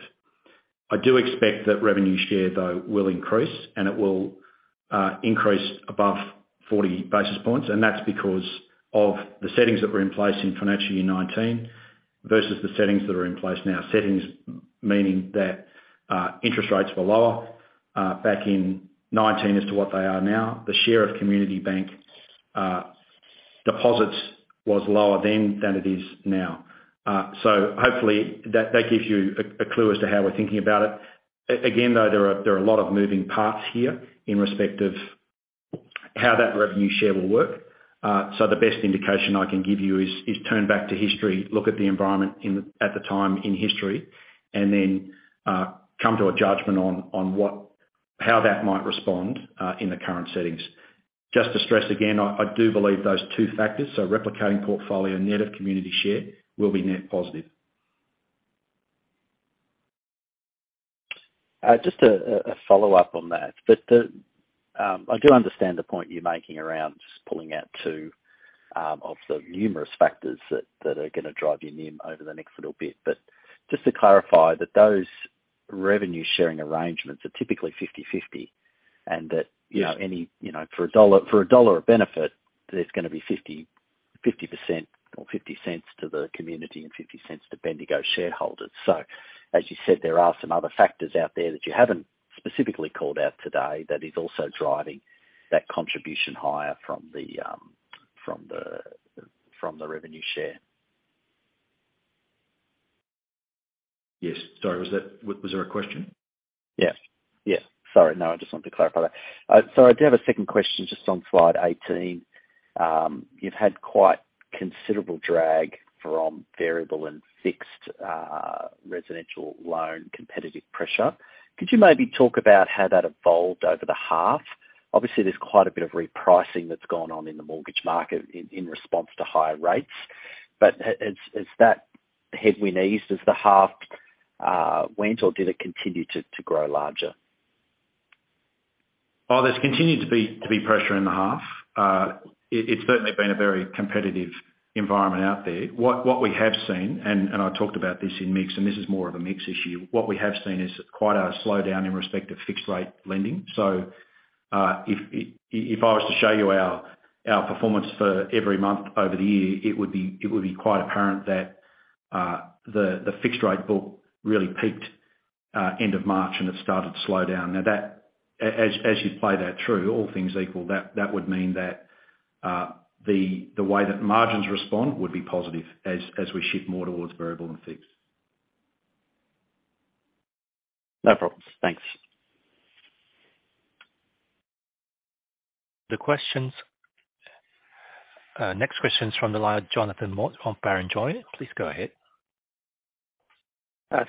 I do expect that revenue share, though, will increase and it will increase above 40 basis points, and that's because of the settings that were in place in financial year 2019 versus the settings that are in now. Settings, meaning that interest rates were lower back in 2019 than what they are now. The share of Community Bank deposits was lower then than it is now. Hopefully that gives you a clue as to how we're thinking about it. Again, though, there are a lot of moving parts here in respect of how that revenue share will work. The best indication I can give you is turn back to history, look at the environment at the time in history, and then come to a judgment on how that might respond in the current settings. Just to stress again, I do believe those two factors, so replicating portfolio net of community share will be net positive. Just a follow-up on that. I do understand the point you're making around just pulling out two of the numerous factors that are gonna drive your NIM over the next little bit. Just to clarify that those revenue-sharing arrangements are typically 50/50 and that. Yes. You know, any, you know, for AUD 1 of benefit, there's gonna be 50% or 0.50 to the community and 0.50 to Bendigo shareholders. As you said, there are some other factors out there that you haven't specifically called out today that is also driving that contribution higher from the revenue share. Yes. Sorry. Was there a question? Yes. Sorry. No, I just want to clarify that. So I do have a second question just on slide 18. You've had quite considerable drag from variable and fixed residential loan competitive pressure. Could you maybe talk about how that evolved over the half? Obviously, there's quite a bit of repricing that's gone on in the mortgage market in response to higher rates. Has that headwind eased as the half went, or did it continue to grow larger? Well, there's continued to be pressure in the half. It's certainly been a very competitive environment out there. What we have seen, and I talked about this in mix, and this is more of a mix issue. What we have seen is quite a slowdown in respect to fixed rate lending. If I was to show you our performance for every month over the year, it would be quite apparent that the fixed rate book really peaked end of March, and it started to slow down. Now that, as you play that through, all things equal, that would mean that the way that margins respond would be positive as we shift more towards variable and fixed. No problems. Thanks. Next question is from the line of Jonathan Mott of Barrenjoey. Please go ahead.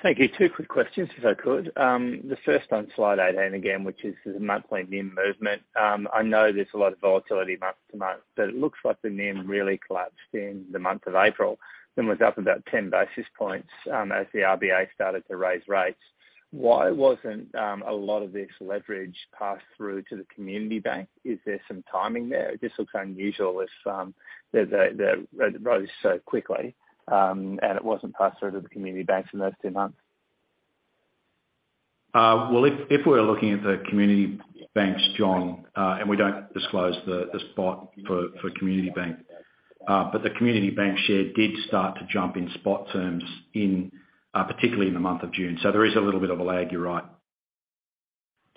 Thank you. Two quick questions, if I could. The first on slide 18 again, which is the monthly NIM movement. I know there's a lot of volatility month-to-month, but it looks like the NIM really collapsed in the month of April, then was up about 10 basis points, as the RBA started to raise rates. Why wasn't a lot of this leverage passed through to the Community Bank? Is there some timing there? It just looks unusual as that it rose so quickly, and it wasn't passed through to the Community Banks in those two months. Well, if we're looking at the Community Banks, John, and we don't disclose the spot for Community Bank, but the Community Bank share did start to jump in spot terms, particularly in the month of June. There is a little bit of a lag. You're right.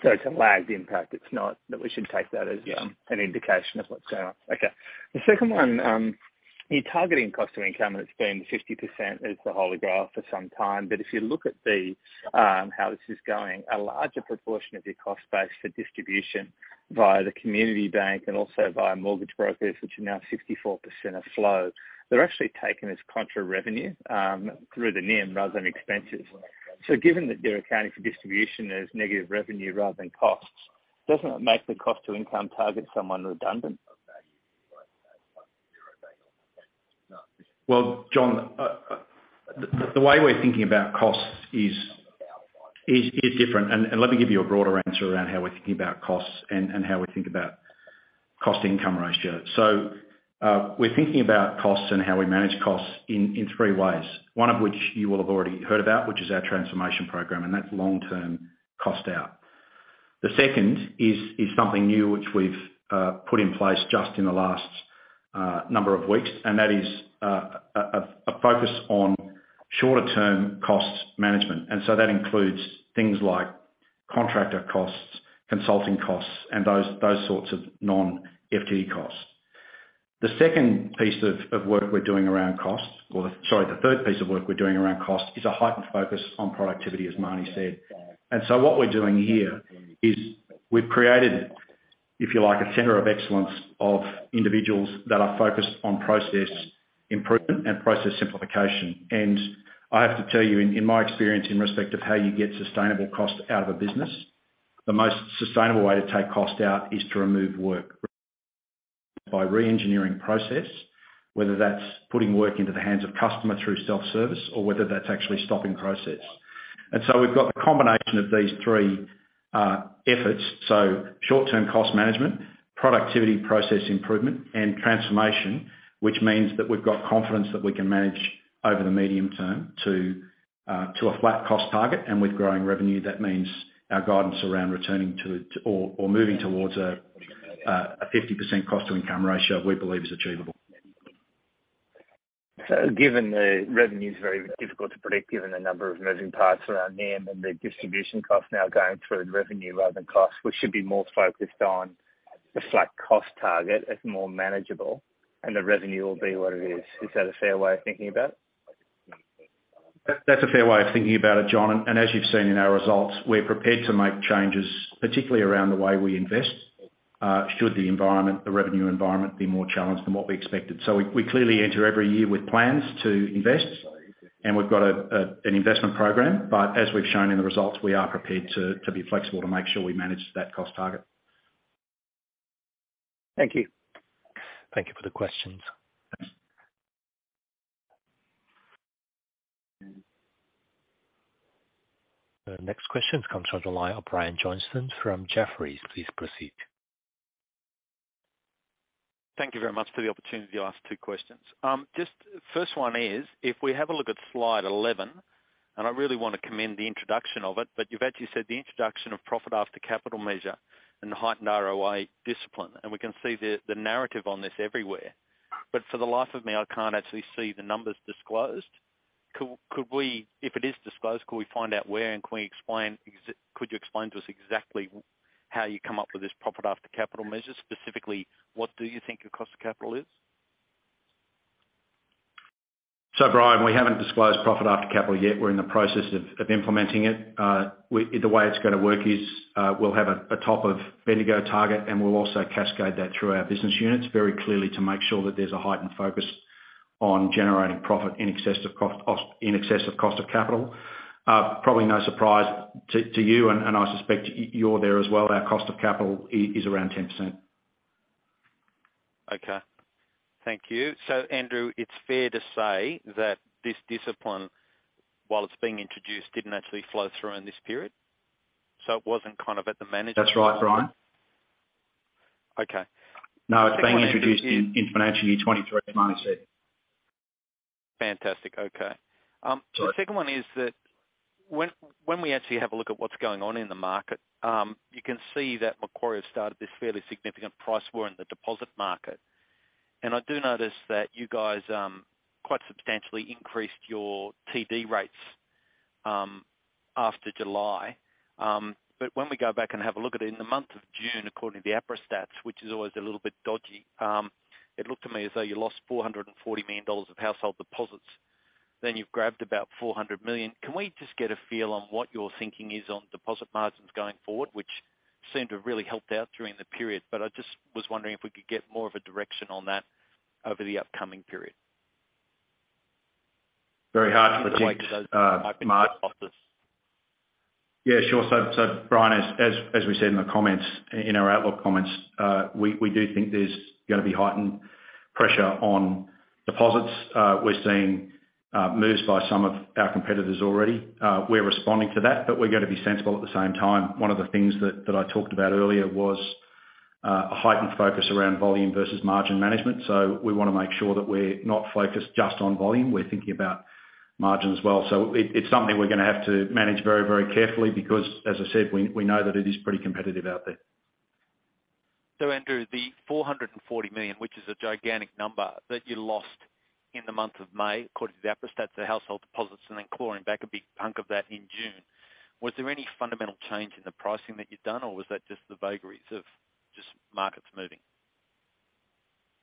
It's a lagged impact. It's not that we should take that as Yeah. An indication of what's going on. Okay. The second one, you're targeting cost to income, and it's been 50% is the holy grail for some time. If you look at how this is going, a larger proportion of your cost base for distribution via the Community Bank and also via mortgage brokers, which are now 64% of flow, they're actually taken as contra revenue through the NIM rather than expenses. Given that you're accounting for distribution as negative revenue rather than costs, doesn't it make the cost to income target somewhat redundant? Well, Jon, the way we're thinking about costs is different. Let me give you a broader answer around how we're thinking about costs and how we think about cost income ratio. We're thinking about costs and how we manage costs in three ways. One of which you will have already heard about, which is our transformation program, and that's long-term cost out. The second is something new, which we've put in place just in the last number of weeks, and that is a focus on shorter term cost management. That includes things like contractor costs, consulting costs, and those sorts of non-FTE costs. The second piece of work we're doing around costs or Sorry, the third piece of work we're doing around costs is a heightened focus on productivity, as Marnie said. What we're doing here is we've created, if you like, a center of excellence of individuals that are focused on process improvement and process simplification. I have to tell you, in my experience in respect of how you get sustainable cost out of a business, the most sustainable way to take cost out is to remove work by re-engineering process, whether that's putting work into the hands of customer through self-service or whether that's actually stopping process. We've got the combination of these three efforts: short-term cost management, productivity process improvement, and transformation, which means that we've got confidence that we can manage over the medium term to a flat cost target. With growing revenue, that means our guidance around returning to or moving towards a 50% cost to income ratio, we believe is achievable. Given the revenue's very difficult to predict given the number of moving parts around NIM and the distribution cost now going through revenue rather than cost, we should be more focused on the flat cost target as more manageable and the revenue will be what it is. Is that a fair way of thinking about it? That's a fair way of thinking about it, Jon. As you've seen in our results, we're prepared to make changes, particularly around the way we invest, should the environment, the revenue environment be more challenged than what we expected. We clearly enter every year with plans to invest, and we've got an investment program. As we've shown in the results, we are prepared to be flexible to make sure we manage that cost target. Thank you. Thank you for the questions. The next question comes on the line of Brian Johnson from Jefferies. Please proceed. Thank you very much for the opportunity to ask two questions. Just first one is, if we have a look at slide 11, and I really wanna commend the introduction of it, but you've actually said the introduction of profit after capital measure and heightened ROA discipline. We can see the narrative on this everywhere. But for the life of me, I can't actually see the numbers disclosed. If it is disclosed, could we find out where, and could you explain to us exactly how you come up with this profit after capital measure? Specifically, what do you think your cost of capital is? Brian, we haven't disclosed profit after capital yet. We're in the process of implementing it. The way it's gonna work is, we'll have a top of Bendigo target, and we'll also cascade that through our business units very clearly to make sure that there's a heightened focus on generating profit in excess of cost of capital. Probably no surprise to you and I suspect you're there as well. Our cost of capital is around 10%. Okay. Thank you. Andrew, it's fair to say that this discipline, while it's being introduced, didn't actually flow through in this period. It wasn't kind of at the management. That's right, Brian. Okay. No, it's being introduced in financial year 2023, as Marnie said. Fantastic. Okay. Sure. The second one is that when we actually have a look at what's going on in the market, you can see that Macquarie has started this fairly significant price war in the deposit market. I do notice that you guys quite substantially increased your TD rates after July. When we go back and have a look at it, in the month of June, according to the APRA stats, which is always a little bit dodgy, it looked to me as though you lost 440 million dollars of household deposits, then you've grabbed about 400 million. Can we just get a feel on what your thinking is on deposit margins going forward, which seemed to have really helped out during the period? I just was wondering if we could get more of a direction on that over the upcoming period. Very hard to predict, mate. In the wake of those. Yeah, sure. Brian, as we said in the comments, in our outlook comments, we do think there's gonna be heightened pressure on deposits. We're seeing moves by some of our competitors already. We're responding to that, but we're gonna be sensible at the same time. One of the things that I talked about earlier was a heightened focus around volume versus margin management. We wanna make sure that we're not focused just on volume, we're thinking about margin as well. It's something we're gonna have to manage very, very carefully, because, as I said, we know that it is pretty competitive out there. Andrew, the 440 million, which is a gigantic number, that you lost in the month of May, according to the APRA stats, the household deposits, and then clawing back a big chunk of that in June, was there any fundamental change in the pricing that you've done, or was that just the vagaries of just markets moving?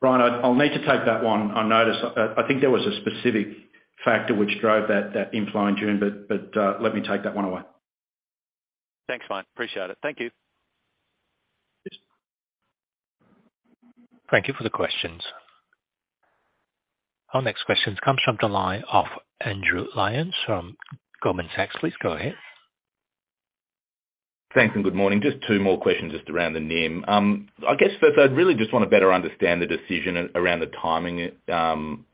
Brian, I'll need to take that one on notice. I think there was a specific factor which drove that inflow in June, but let me take that one away. Thanks, mate. Appreciate it. Thank you. Cheers. Thank you for the questions. Our next question comes from the line of Andrew Lyons from Goldman Sachs. Please go ahead. Thanks, good morning. Just two more questions just around the NIM. I guess first I'd really just wanna better understand the decision around the timing, on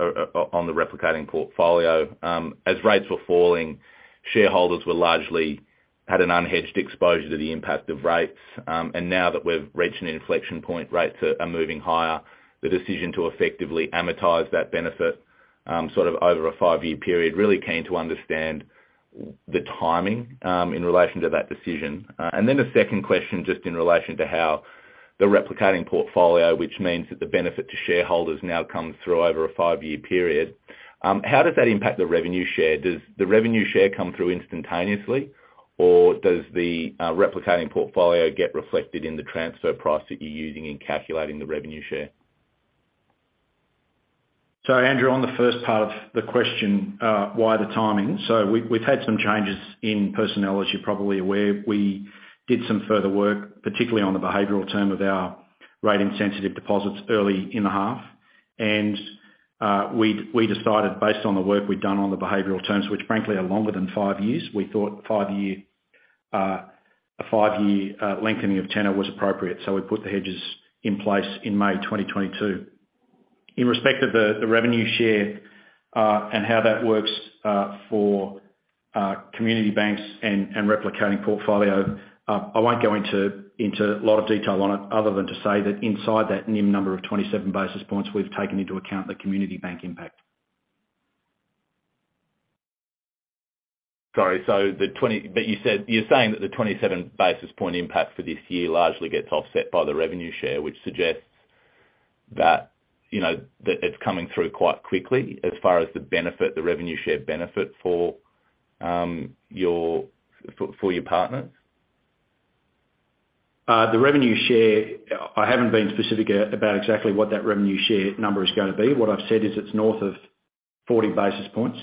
the replicating portfolio. As rates were falling, shareholders largely had an unhedged exposure to the impact of rates. Now that we've reached an inflection point, rates are moving higher, the decision to effectively amortize that benefit, sort of over a five-year period, really keen to understand the timing, in relation to that decision. Then a second question, just in relation to how the replicating portfolio, which means that the benefit to shareholders now comes through over a five-year period, how does that impact the revenue share? Does the revenue share come through instantaneously, or does the replicating portfolio get reflected in the transfer price that you're using in calculating the revenue share? Andrew, on the first part of the question, why the timing? We've had some changes in personnel, as you're probably aware. We did some further work, particularly on the behavioral term of our rate-insensitive deposits early in the half. We decided, based on the work we'd done on the behavioral terms, which frankly are longer than five years. We thought a five-year lengthening of tenor was appropriate. We put the hedges in place in May 2022. In respect of the revenue share and how that works for Community Banks and replicating portfolio, I won't go into a lot of detail on it other than to say that inside that NIM number of 27 basis points, we've taken into account the Community Bank impact. Sorry. You're saying that the 27 basis point impact for this year largely gets offset by the revenue share, which suggests that, you know, that it's coming through quite quickly as far as the benefit, the revenue share benefit for your partners? The revenue share, I haven't been specific about exactly what that revenue share number is gonna be. What I've said is it's north of 40 basis points.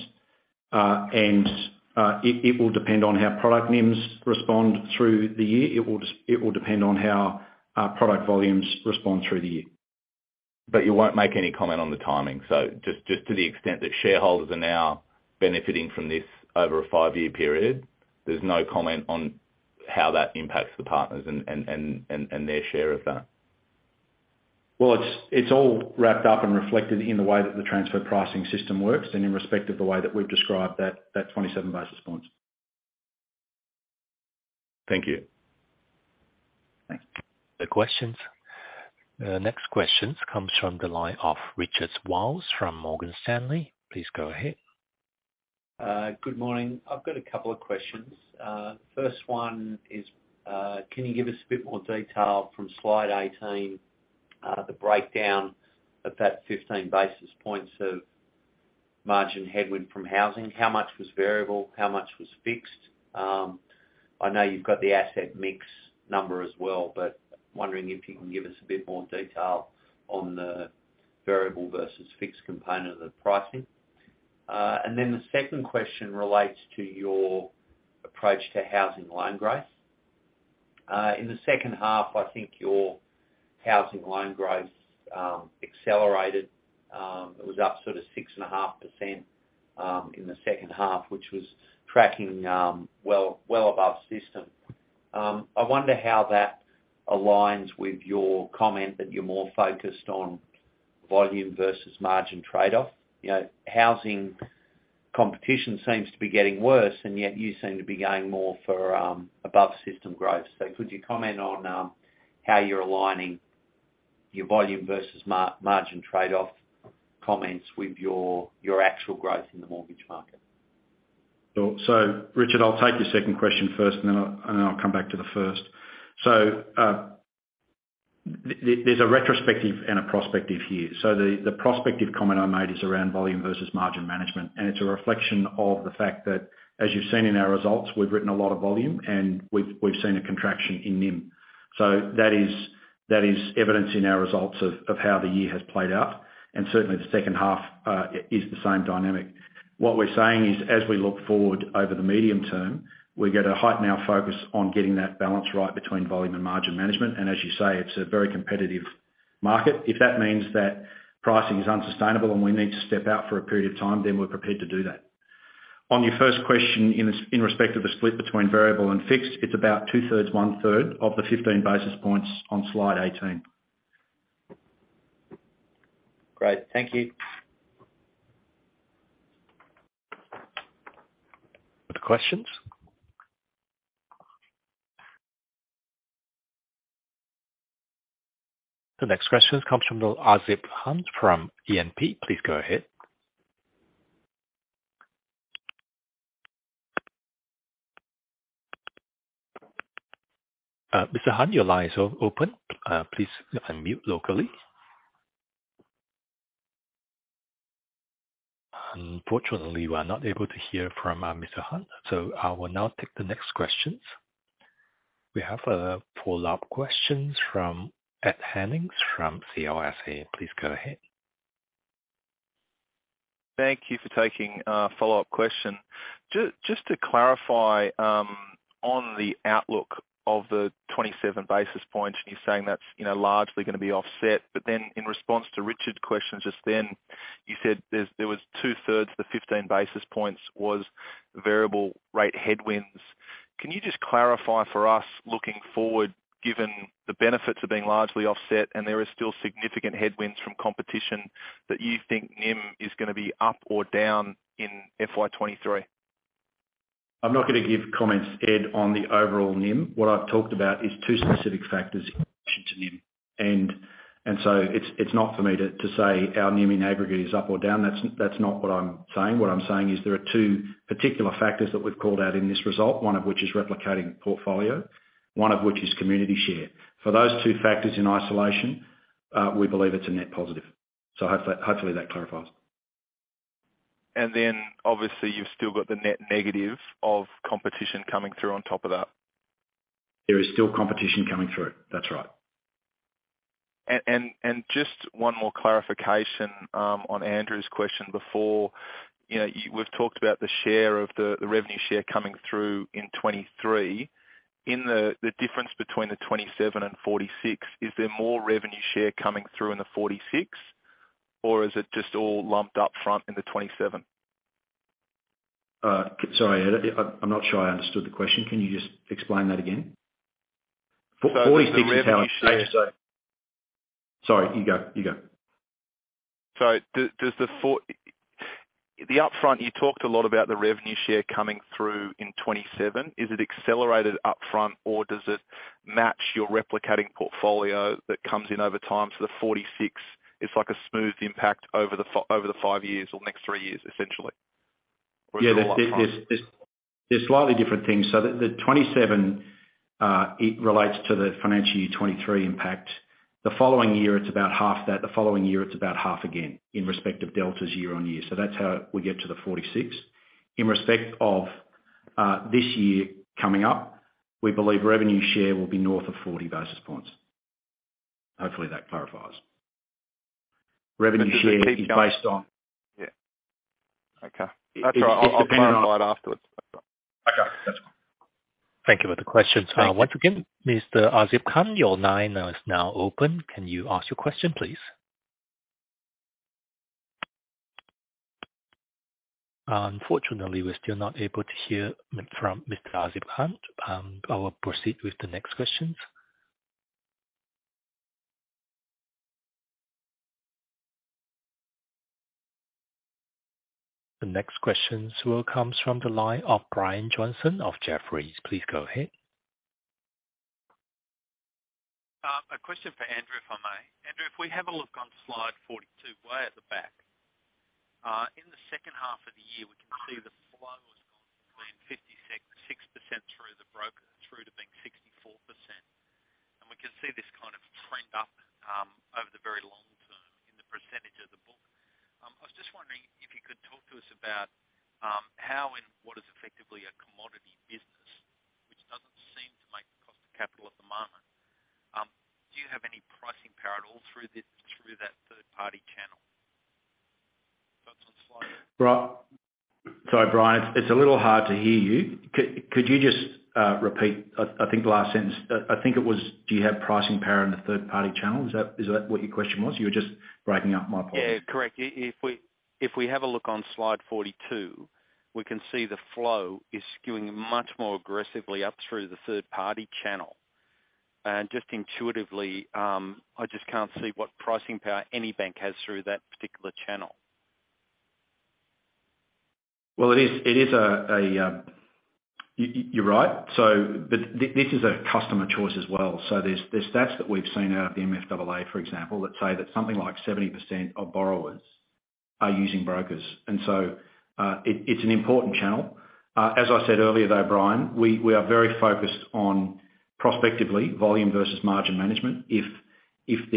It will depend on how product NIMs respond through the year. It will depend on how product volumes respond through the year. You won't make any comment on the timing. Just to the extent that shareholders are now benefiting from this over a five-year period, there's no comment on how that impacts the partners and their share of that? Well, it's all wrapped up and reflected in the way that the transfer pricing system works and in respect of the way that we've described that 27 basis points. Thank you. Thanks. Next question comes from the line of Richard Wiles from Morgan Stanley. Please go ahead. Good morning. I've got a couple of questions. First one is, can you give us a bit more detail from slide 18, the breakdown of that 15 basis points of margin headwind from housing. How much was variable? How much was fixed? I know you've got the asset mix number as well, but wondering if you can give us a bit more detail on the variable versus fixed component of the pricing. The second question relates to your approach to housing loan growth. In the second half, I think your housing loan growth accelerated. It was up sort of 6.5%, in the second half, which was tracking well above system. I wonder how that aligns with your comment that you're more focused on volume versus margin trade-off. You know, housing competition seems to be getting worse, and yet you seem to be going more for above system growth. Could you comment on how you're aligning your volume versus margin trade-off comments with your actual growth in the mortgage market? Richard, I'll take your second question first, and then I'll come back to the first. There's a retrospective and a prospective here. The prospective comment I made is around volume versus margin management, and it's a reflection of the fact that, as you've seen in our results, we've written a lot of volume, and we've seen a contraction in NIM. That is evidence in our results of how the year has played out, and certainly the second half is the same dynamic. What we're saying is, as we look forward over the medium term, we're gonna heighten our focus on getting that balance right between volume and margin management. As you say, it's a very competitive market. If that means that pricing is unsustainable and we need to step out for a period of time, then we're prepared to do that. On your first question, in respect to the split between variable and fixed, it's about two-thirds, one-third of the 15 basis points on slide 18. Great. Thank you. Other questions. The next question comes from Azib Khan from ANZ. Please go ahead. Mr. Khan, your line is open. Please unmute locally. Unfortunately, we are not able to hear from Mr. Khan, so I will now take the next questions. We have a follow-up questions from Ed Henning from CLSA. Please go ahead. Thank you for taking follow-up question. To clarify on the outlook of the 27 basis points, and you're saying that's, you know, largely gonna be offset. In response to Richard's question, just then, you said there was two-thirds, the 15 basis points was variable rate headwinds. Can you just clarify for us, looking forward, given the benefits are being largely offset and there are still significant headwinds from competition that you think NIM is gonna be up or down in FY 2023? I'm not gonna give comments, Ed, on the overall NIM. What I've talked about is two specific factors in relation to NIM. It's not for me to say our NIM in aggregate is up or down. That's not what I'm saying. What I'm saying is there are two particular factors that we've called out in this result, one of which is replicating portfolio, one of which is community share. For those two factors in isolation, we believe it's a net positive. Hopefully that clarifies. Obviously you've still got the net negative of competition coming through on top of that. There is still competition coming through it. That's right. Just one more clarification on Andrew's question before. You know, we've talked about the share of the revenue share coming through in 2023. In the difference between the 2027 and 2046, is there more revenue share coming through in the 2046? Or is it just all lumped up front in the 2027? Sorry, Ed. I'm not sure I understood the question. Can you just explain that again? 46 is how Does the revenue share? Sorry, you go. The upfront, you talked a lot about the revenue share coming through in 2027. Is it accelerated upfront or does it match your replicating portfolio that comes in over time? The 46 is like a smooth impact over the five years or next three years, essentially. Is it all up front? Yeah. There's slightly different things. The 27, it relates to the financial year 2023 impact. The following year, it's about half that. The following year, it's about half again in respect of deltas year-over-year. That's how we get to the 46. In respect of this year coming up, we believe revenue share will be north of 40 basis points. Hopefully that clarifies. Revenue share is based on Yeah. Okay. It's dependent on. That's all right. I'll clarify it afterwards. That's all. Okay, that's all. Thank you for the questions. Thank you. Once again, Mr. Azib Khan, your line is now open. Can you ask your question, please? Unfortunately, we're still not able to hear from Mr. Azib Khan. I will proceed with the next questions. The next questions will come from the line of Brian Johnson of Jefferies. Please go ahead. A question for Andrew, if I may. Andrew, if we have a look on slide 42, way at the back. In the second half of the year, we can see the flow has gone from 56% through the broker to being 64%. We can see this kind of trend up over the very long term in the percentage of the book. I was just wondering if you could talk to us about how and what is effectively a commodity business, which doesn't seem to make the cost of capital at the moment. Do you have any pricing power at all through that third party channel? That's on slide- Sorry, Brian. It's a little hard to hear you. Could you just repeat? I think the last sentence. I think it was, do you have pricing power in the third party channel? Is that what your question was? You were just breaking up, my apologies. Yeah, correct. If we have a look on slide 42, we can see the flow is skewing much more aggressively up through the third party channel. Just intuitively, I just can't see what pricing power any bank has through that particular channel. Well, it is a, you're right. This is a customer choice as well. There's stats that we've seen out of the MFAA, for example, that say that something like 70% of borrowers are using brokers. It's an important channel. As I said earlier, though, Brian, we are very focused on prospectively volume versus margin management. If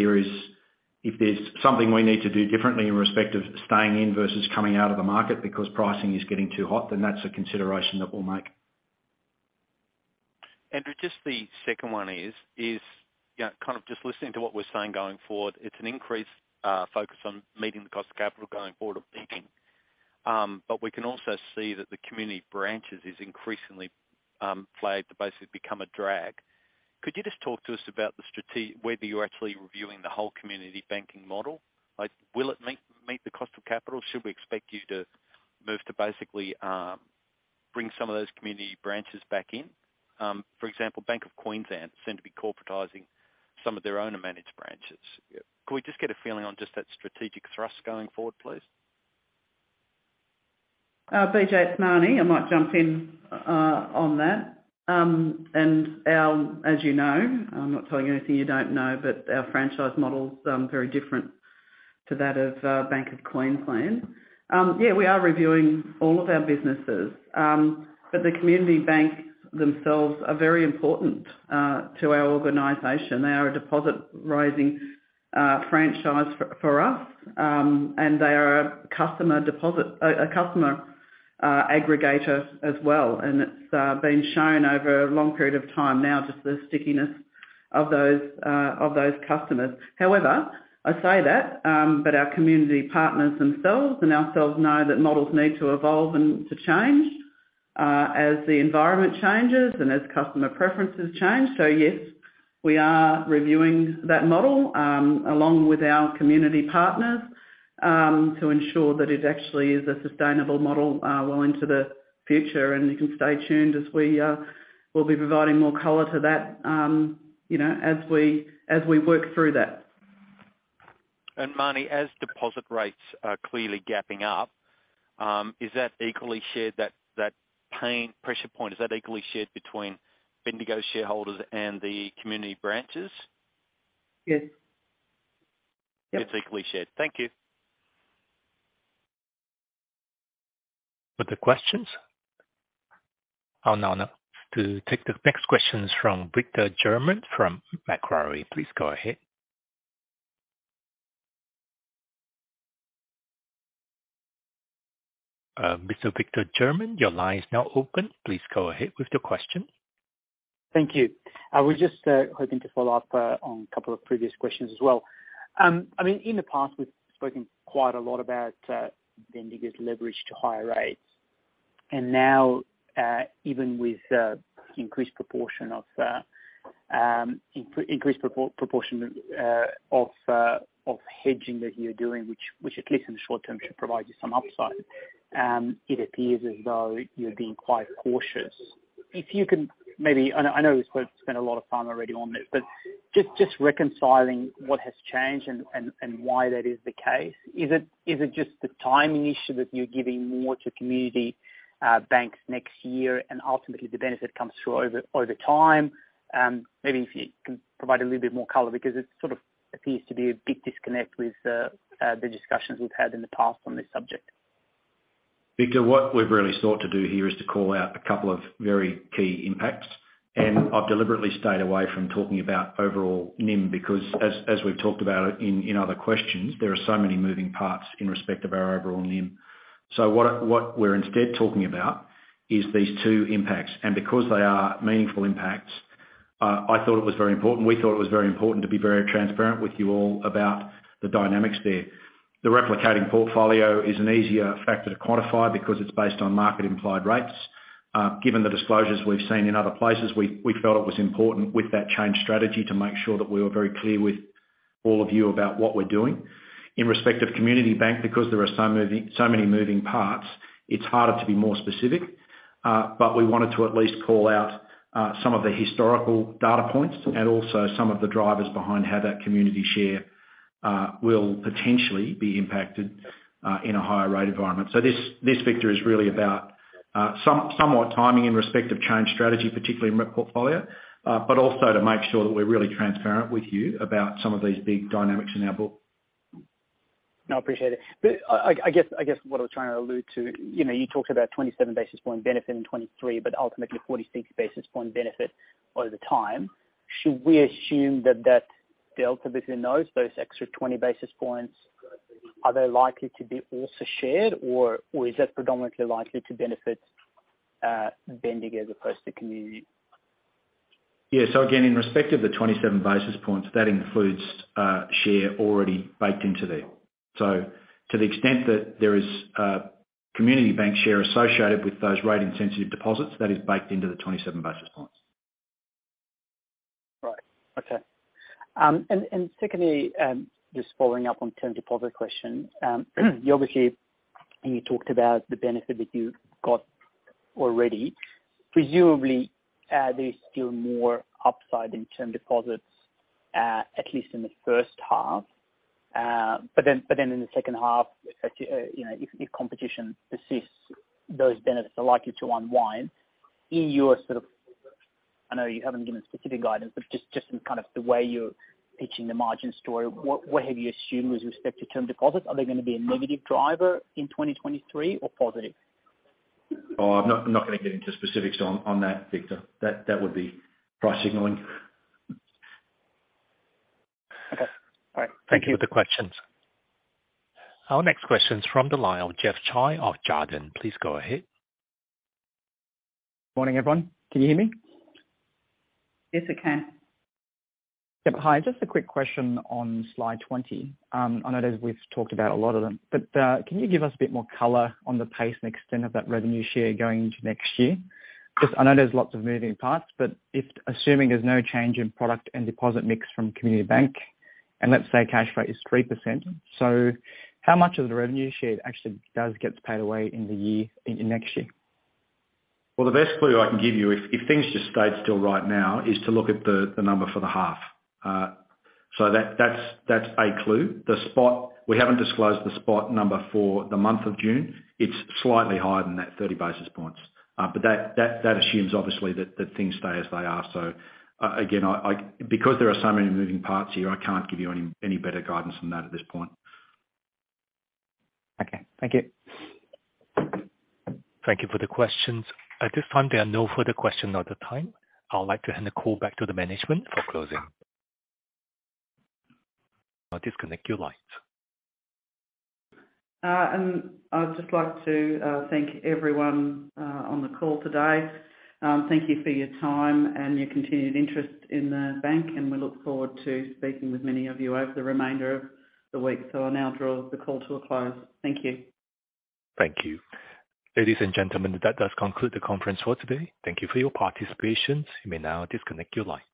there's something we need to do differently in respect of staying in versus coming out of the market because pricing is getting too hot, then that's a consideration that we'll make. Andrew, just the second one is you know, kind of just listening to what we're saying going forward, it's an increased focus on meeting the cost of capital going forward of meeting. We can also see that the Community Bank branches are increasingly flagged to basically become a drag. Could you just talk to us about whether you're actually reviewing the whole Community Bank model? Like, will it meet the cost of capital? Should we expect you to move to basically bring some of those Community Bank branches back in? For example, Bank of Queensland seems to be corporatizing some of their owner-managed branches. Could we just get a feeling on just that strategic thrust going forward, please? BJ, it's Marnie. I might jump in on that. As you know, I'm not telling you anything you don't know, but our franchise model is very different to that of Bank of Queensland. We are reviewing all of our businesses. The Community Banks themselves are very important to our organization. They are a deposit-raising franchise for us, and they are a customer aggregator as well. It's been shown over a long period of time now, just the stickiness of those customers. However, I say that, but our community partners themselves and ourselves know that models need to evolve and to change as the environment changes and as customer preferences change. Yes, we are reviewing that model, along with our community partners, to ensure that it actually is a sustainable model, well into the future. You can stay tuned as we'll be providing more color to that, you know, as we work through that. Marnie, as deposit rates are clearly gapping up, is that equally shared, that pain pressure point, is that equally shared between Bendigo shareholders and the community branches? Yes. Yes. It's equally shared. Thank you. For the questions. Oh, no. To take the next question is from Victor German from Macquarie. Please go ahead. Mr. Victor German, your line is now open. Please go ahead with the question. Thank you. I was just hoping to follow up on a couple of previous questions as well. I mean, in the past, we've spoken quite a lot about Bendigo's leverage to higher rates. Now, even with increased proportion of hedging that you're doing, which at least in the short term should provide you some upside, it appears as though you're being quite cautious. If you can, maybe. I know we've spent a lot of time already on this, but just reconciling what has changed and why that is the case. Is it just the timing issue that you're giving more to community banks next year and ultimately the benefit comes through over time? Maybe if you can provide a little bit more color because it sort of appears to be a big disconnect with the discussions we've had in the past on this subject. Victor, what we've really sought to do here is to call out a couple of very key impacts. I've deliberately stayed away from talking about overall NIM because as we've talked about in other questions, there are so many moving parts in respect of our overall NIM. What we're instead talking about is these two impacts. Because they are meaningful impacts, I thought it was very important, we thought it was very important to be very transparent with you all about the dynamics there. The replicating portfolio is an easier factor to quantify because it's based on market implied rates. Given the disclosures we've seen in other places, we felt it was important with that change strategy to make sure that we were very clear with all of you about what we're doing. In respect of Community Bank, because there are so many moving parts, it's harder to be more specific. We wanted to at least call out some of the historical data points and also some of the drivers behind how that community share will potentially be impacted in a higher rate environment. This, Victor, is really about somewhat timing in respect of change strategy, particularly in replicating portfolio, but also to make sure that we're really transparent with you about some of these big dynamics in our book. No, I appreciate it. I guess what I was trying to allude to, you know, you talked about 27 basis point benefit in 2023, but ultimately a 40-60 basis point benefit over the time. Should we assume that delta between those extra 20 basis points, are they likely to be also shared, or is that predominantly likely to benefit Bendigo as opposed to Community? Yeah. Again, in respect of the 27 basis points, that includes share already baked into there. To the extent that there is Community Bank share associated with those rate sensitive deposits, that is baked into the 27 basis points. Right. Okay. Secondly, just following up on term deposit question. You obviously talked about the benefit that you got already. Presumably, there's still more upside in term deposits, at least in the first half. But then in the second half, you know, if competition persists, those benefits are likely to unwind. In your sort of, I know you haven't given specific guidance, but just in kind of the way you're pitching the margin story, what have you assumed with respect to term deposits? Are they gonna be a negative driver in 2023 or positive? Oh, I'm not gonna get into specifics on that, Victor. That would be price signaling. Okay. All right. Thank you. For the questions. Our next question is from the line of Jeff Cai of Jarden. Please go ahead. Morning, everyone. Can you hear me? Yes, I can. Yeah. Hi. Just a quick question on slide 20. I know that we've talked about a lot of them, but can you give us a bit more color on the pace and extent of that revenue share going into next year? Because I know there's lots of moving parts, but if assuming there's no change in product and deposit mix from Community Bank, and let's say cash rate is 3%, so how much of the revenue share actually does get paid away in next year? Well, the best clue I can give you, if things just stayed still right now, is to look at the number for the half. That's a clue. We haven't disclosed the spot number for the month of June. It's slightly higher than that 30 basis points. But that assumes obviously that things stay as they are. Again, because there are so many moving parts here, I can't give you any better guidance than that at this point. Okay. Thank you. Thank you for the questions. At this time, there are no further questions. I would like to hand the call back to the management for closing. Now disconnect your lines. I would just like to thank everyone on the call today. Thank you for your time and your continued interest in the bank, and we look forward to speaking with many of you over the remainder of the week. I'll now draw the call to a close. Thank you. Thank you. Ladies and gentlemen, that does conclude the conference for today. Thank you for your participation. You may now disconnect your lines.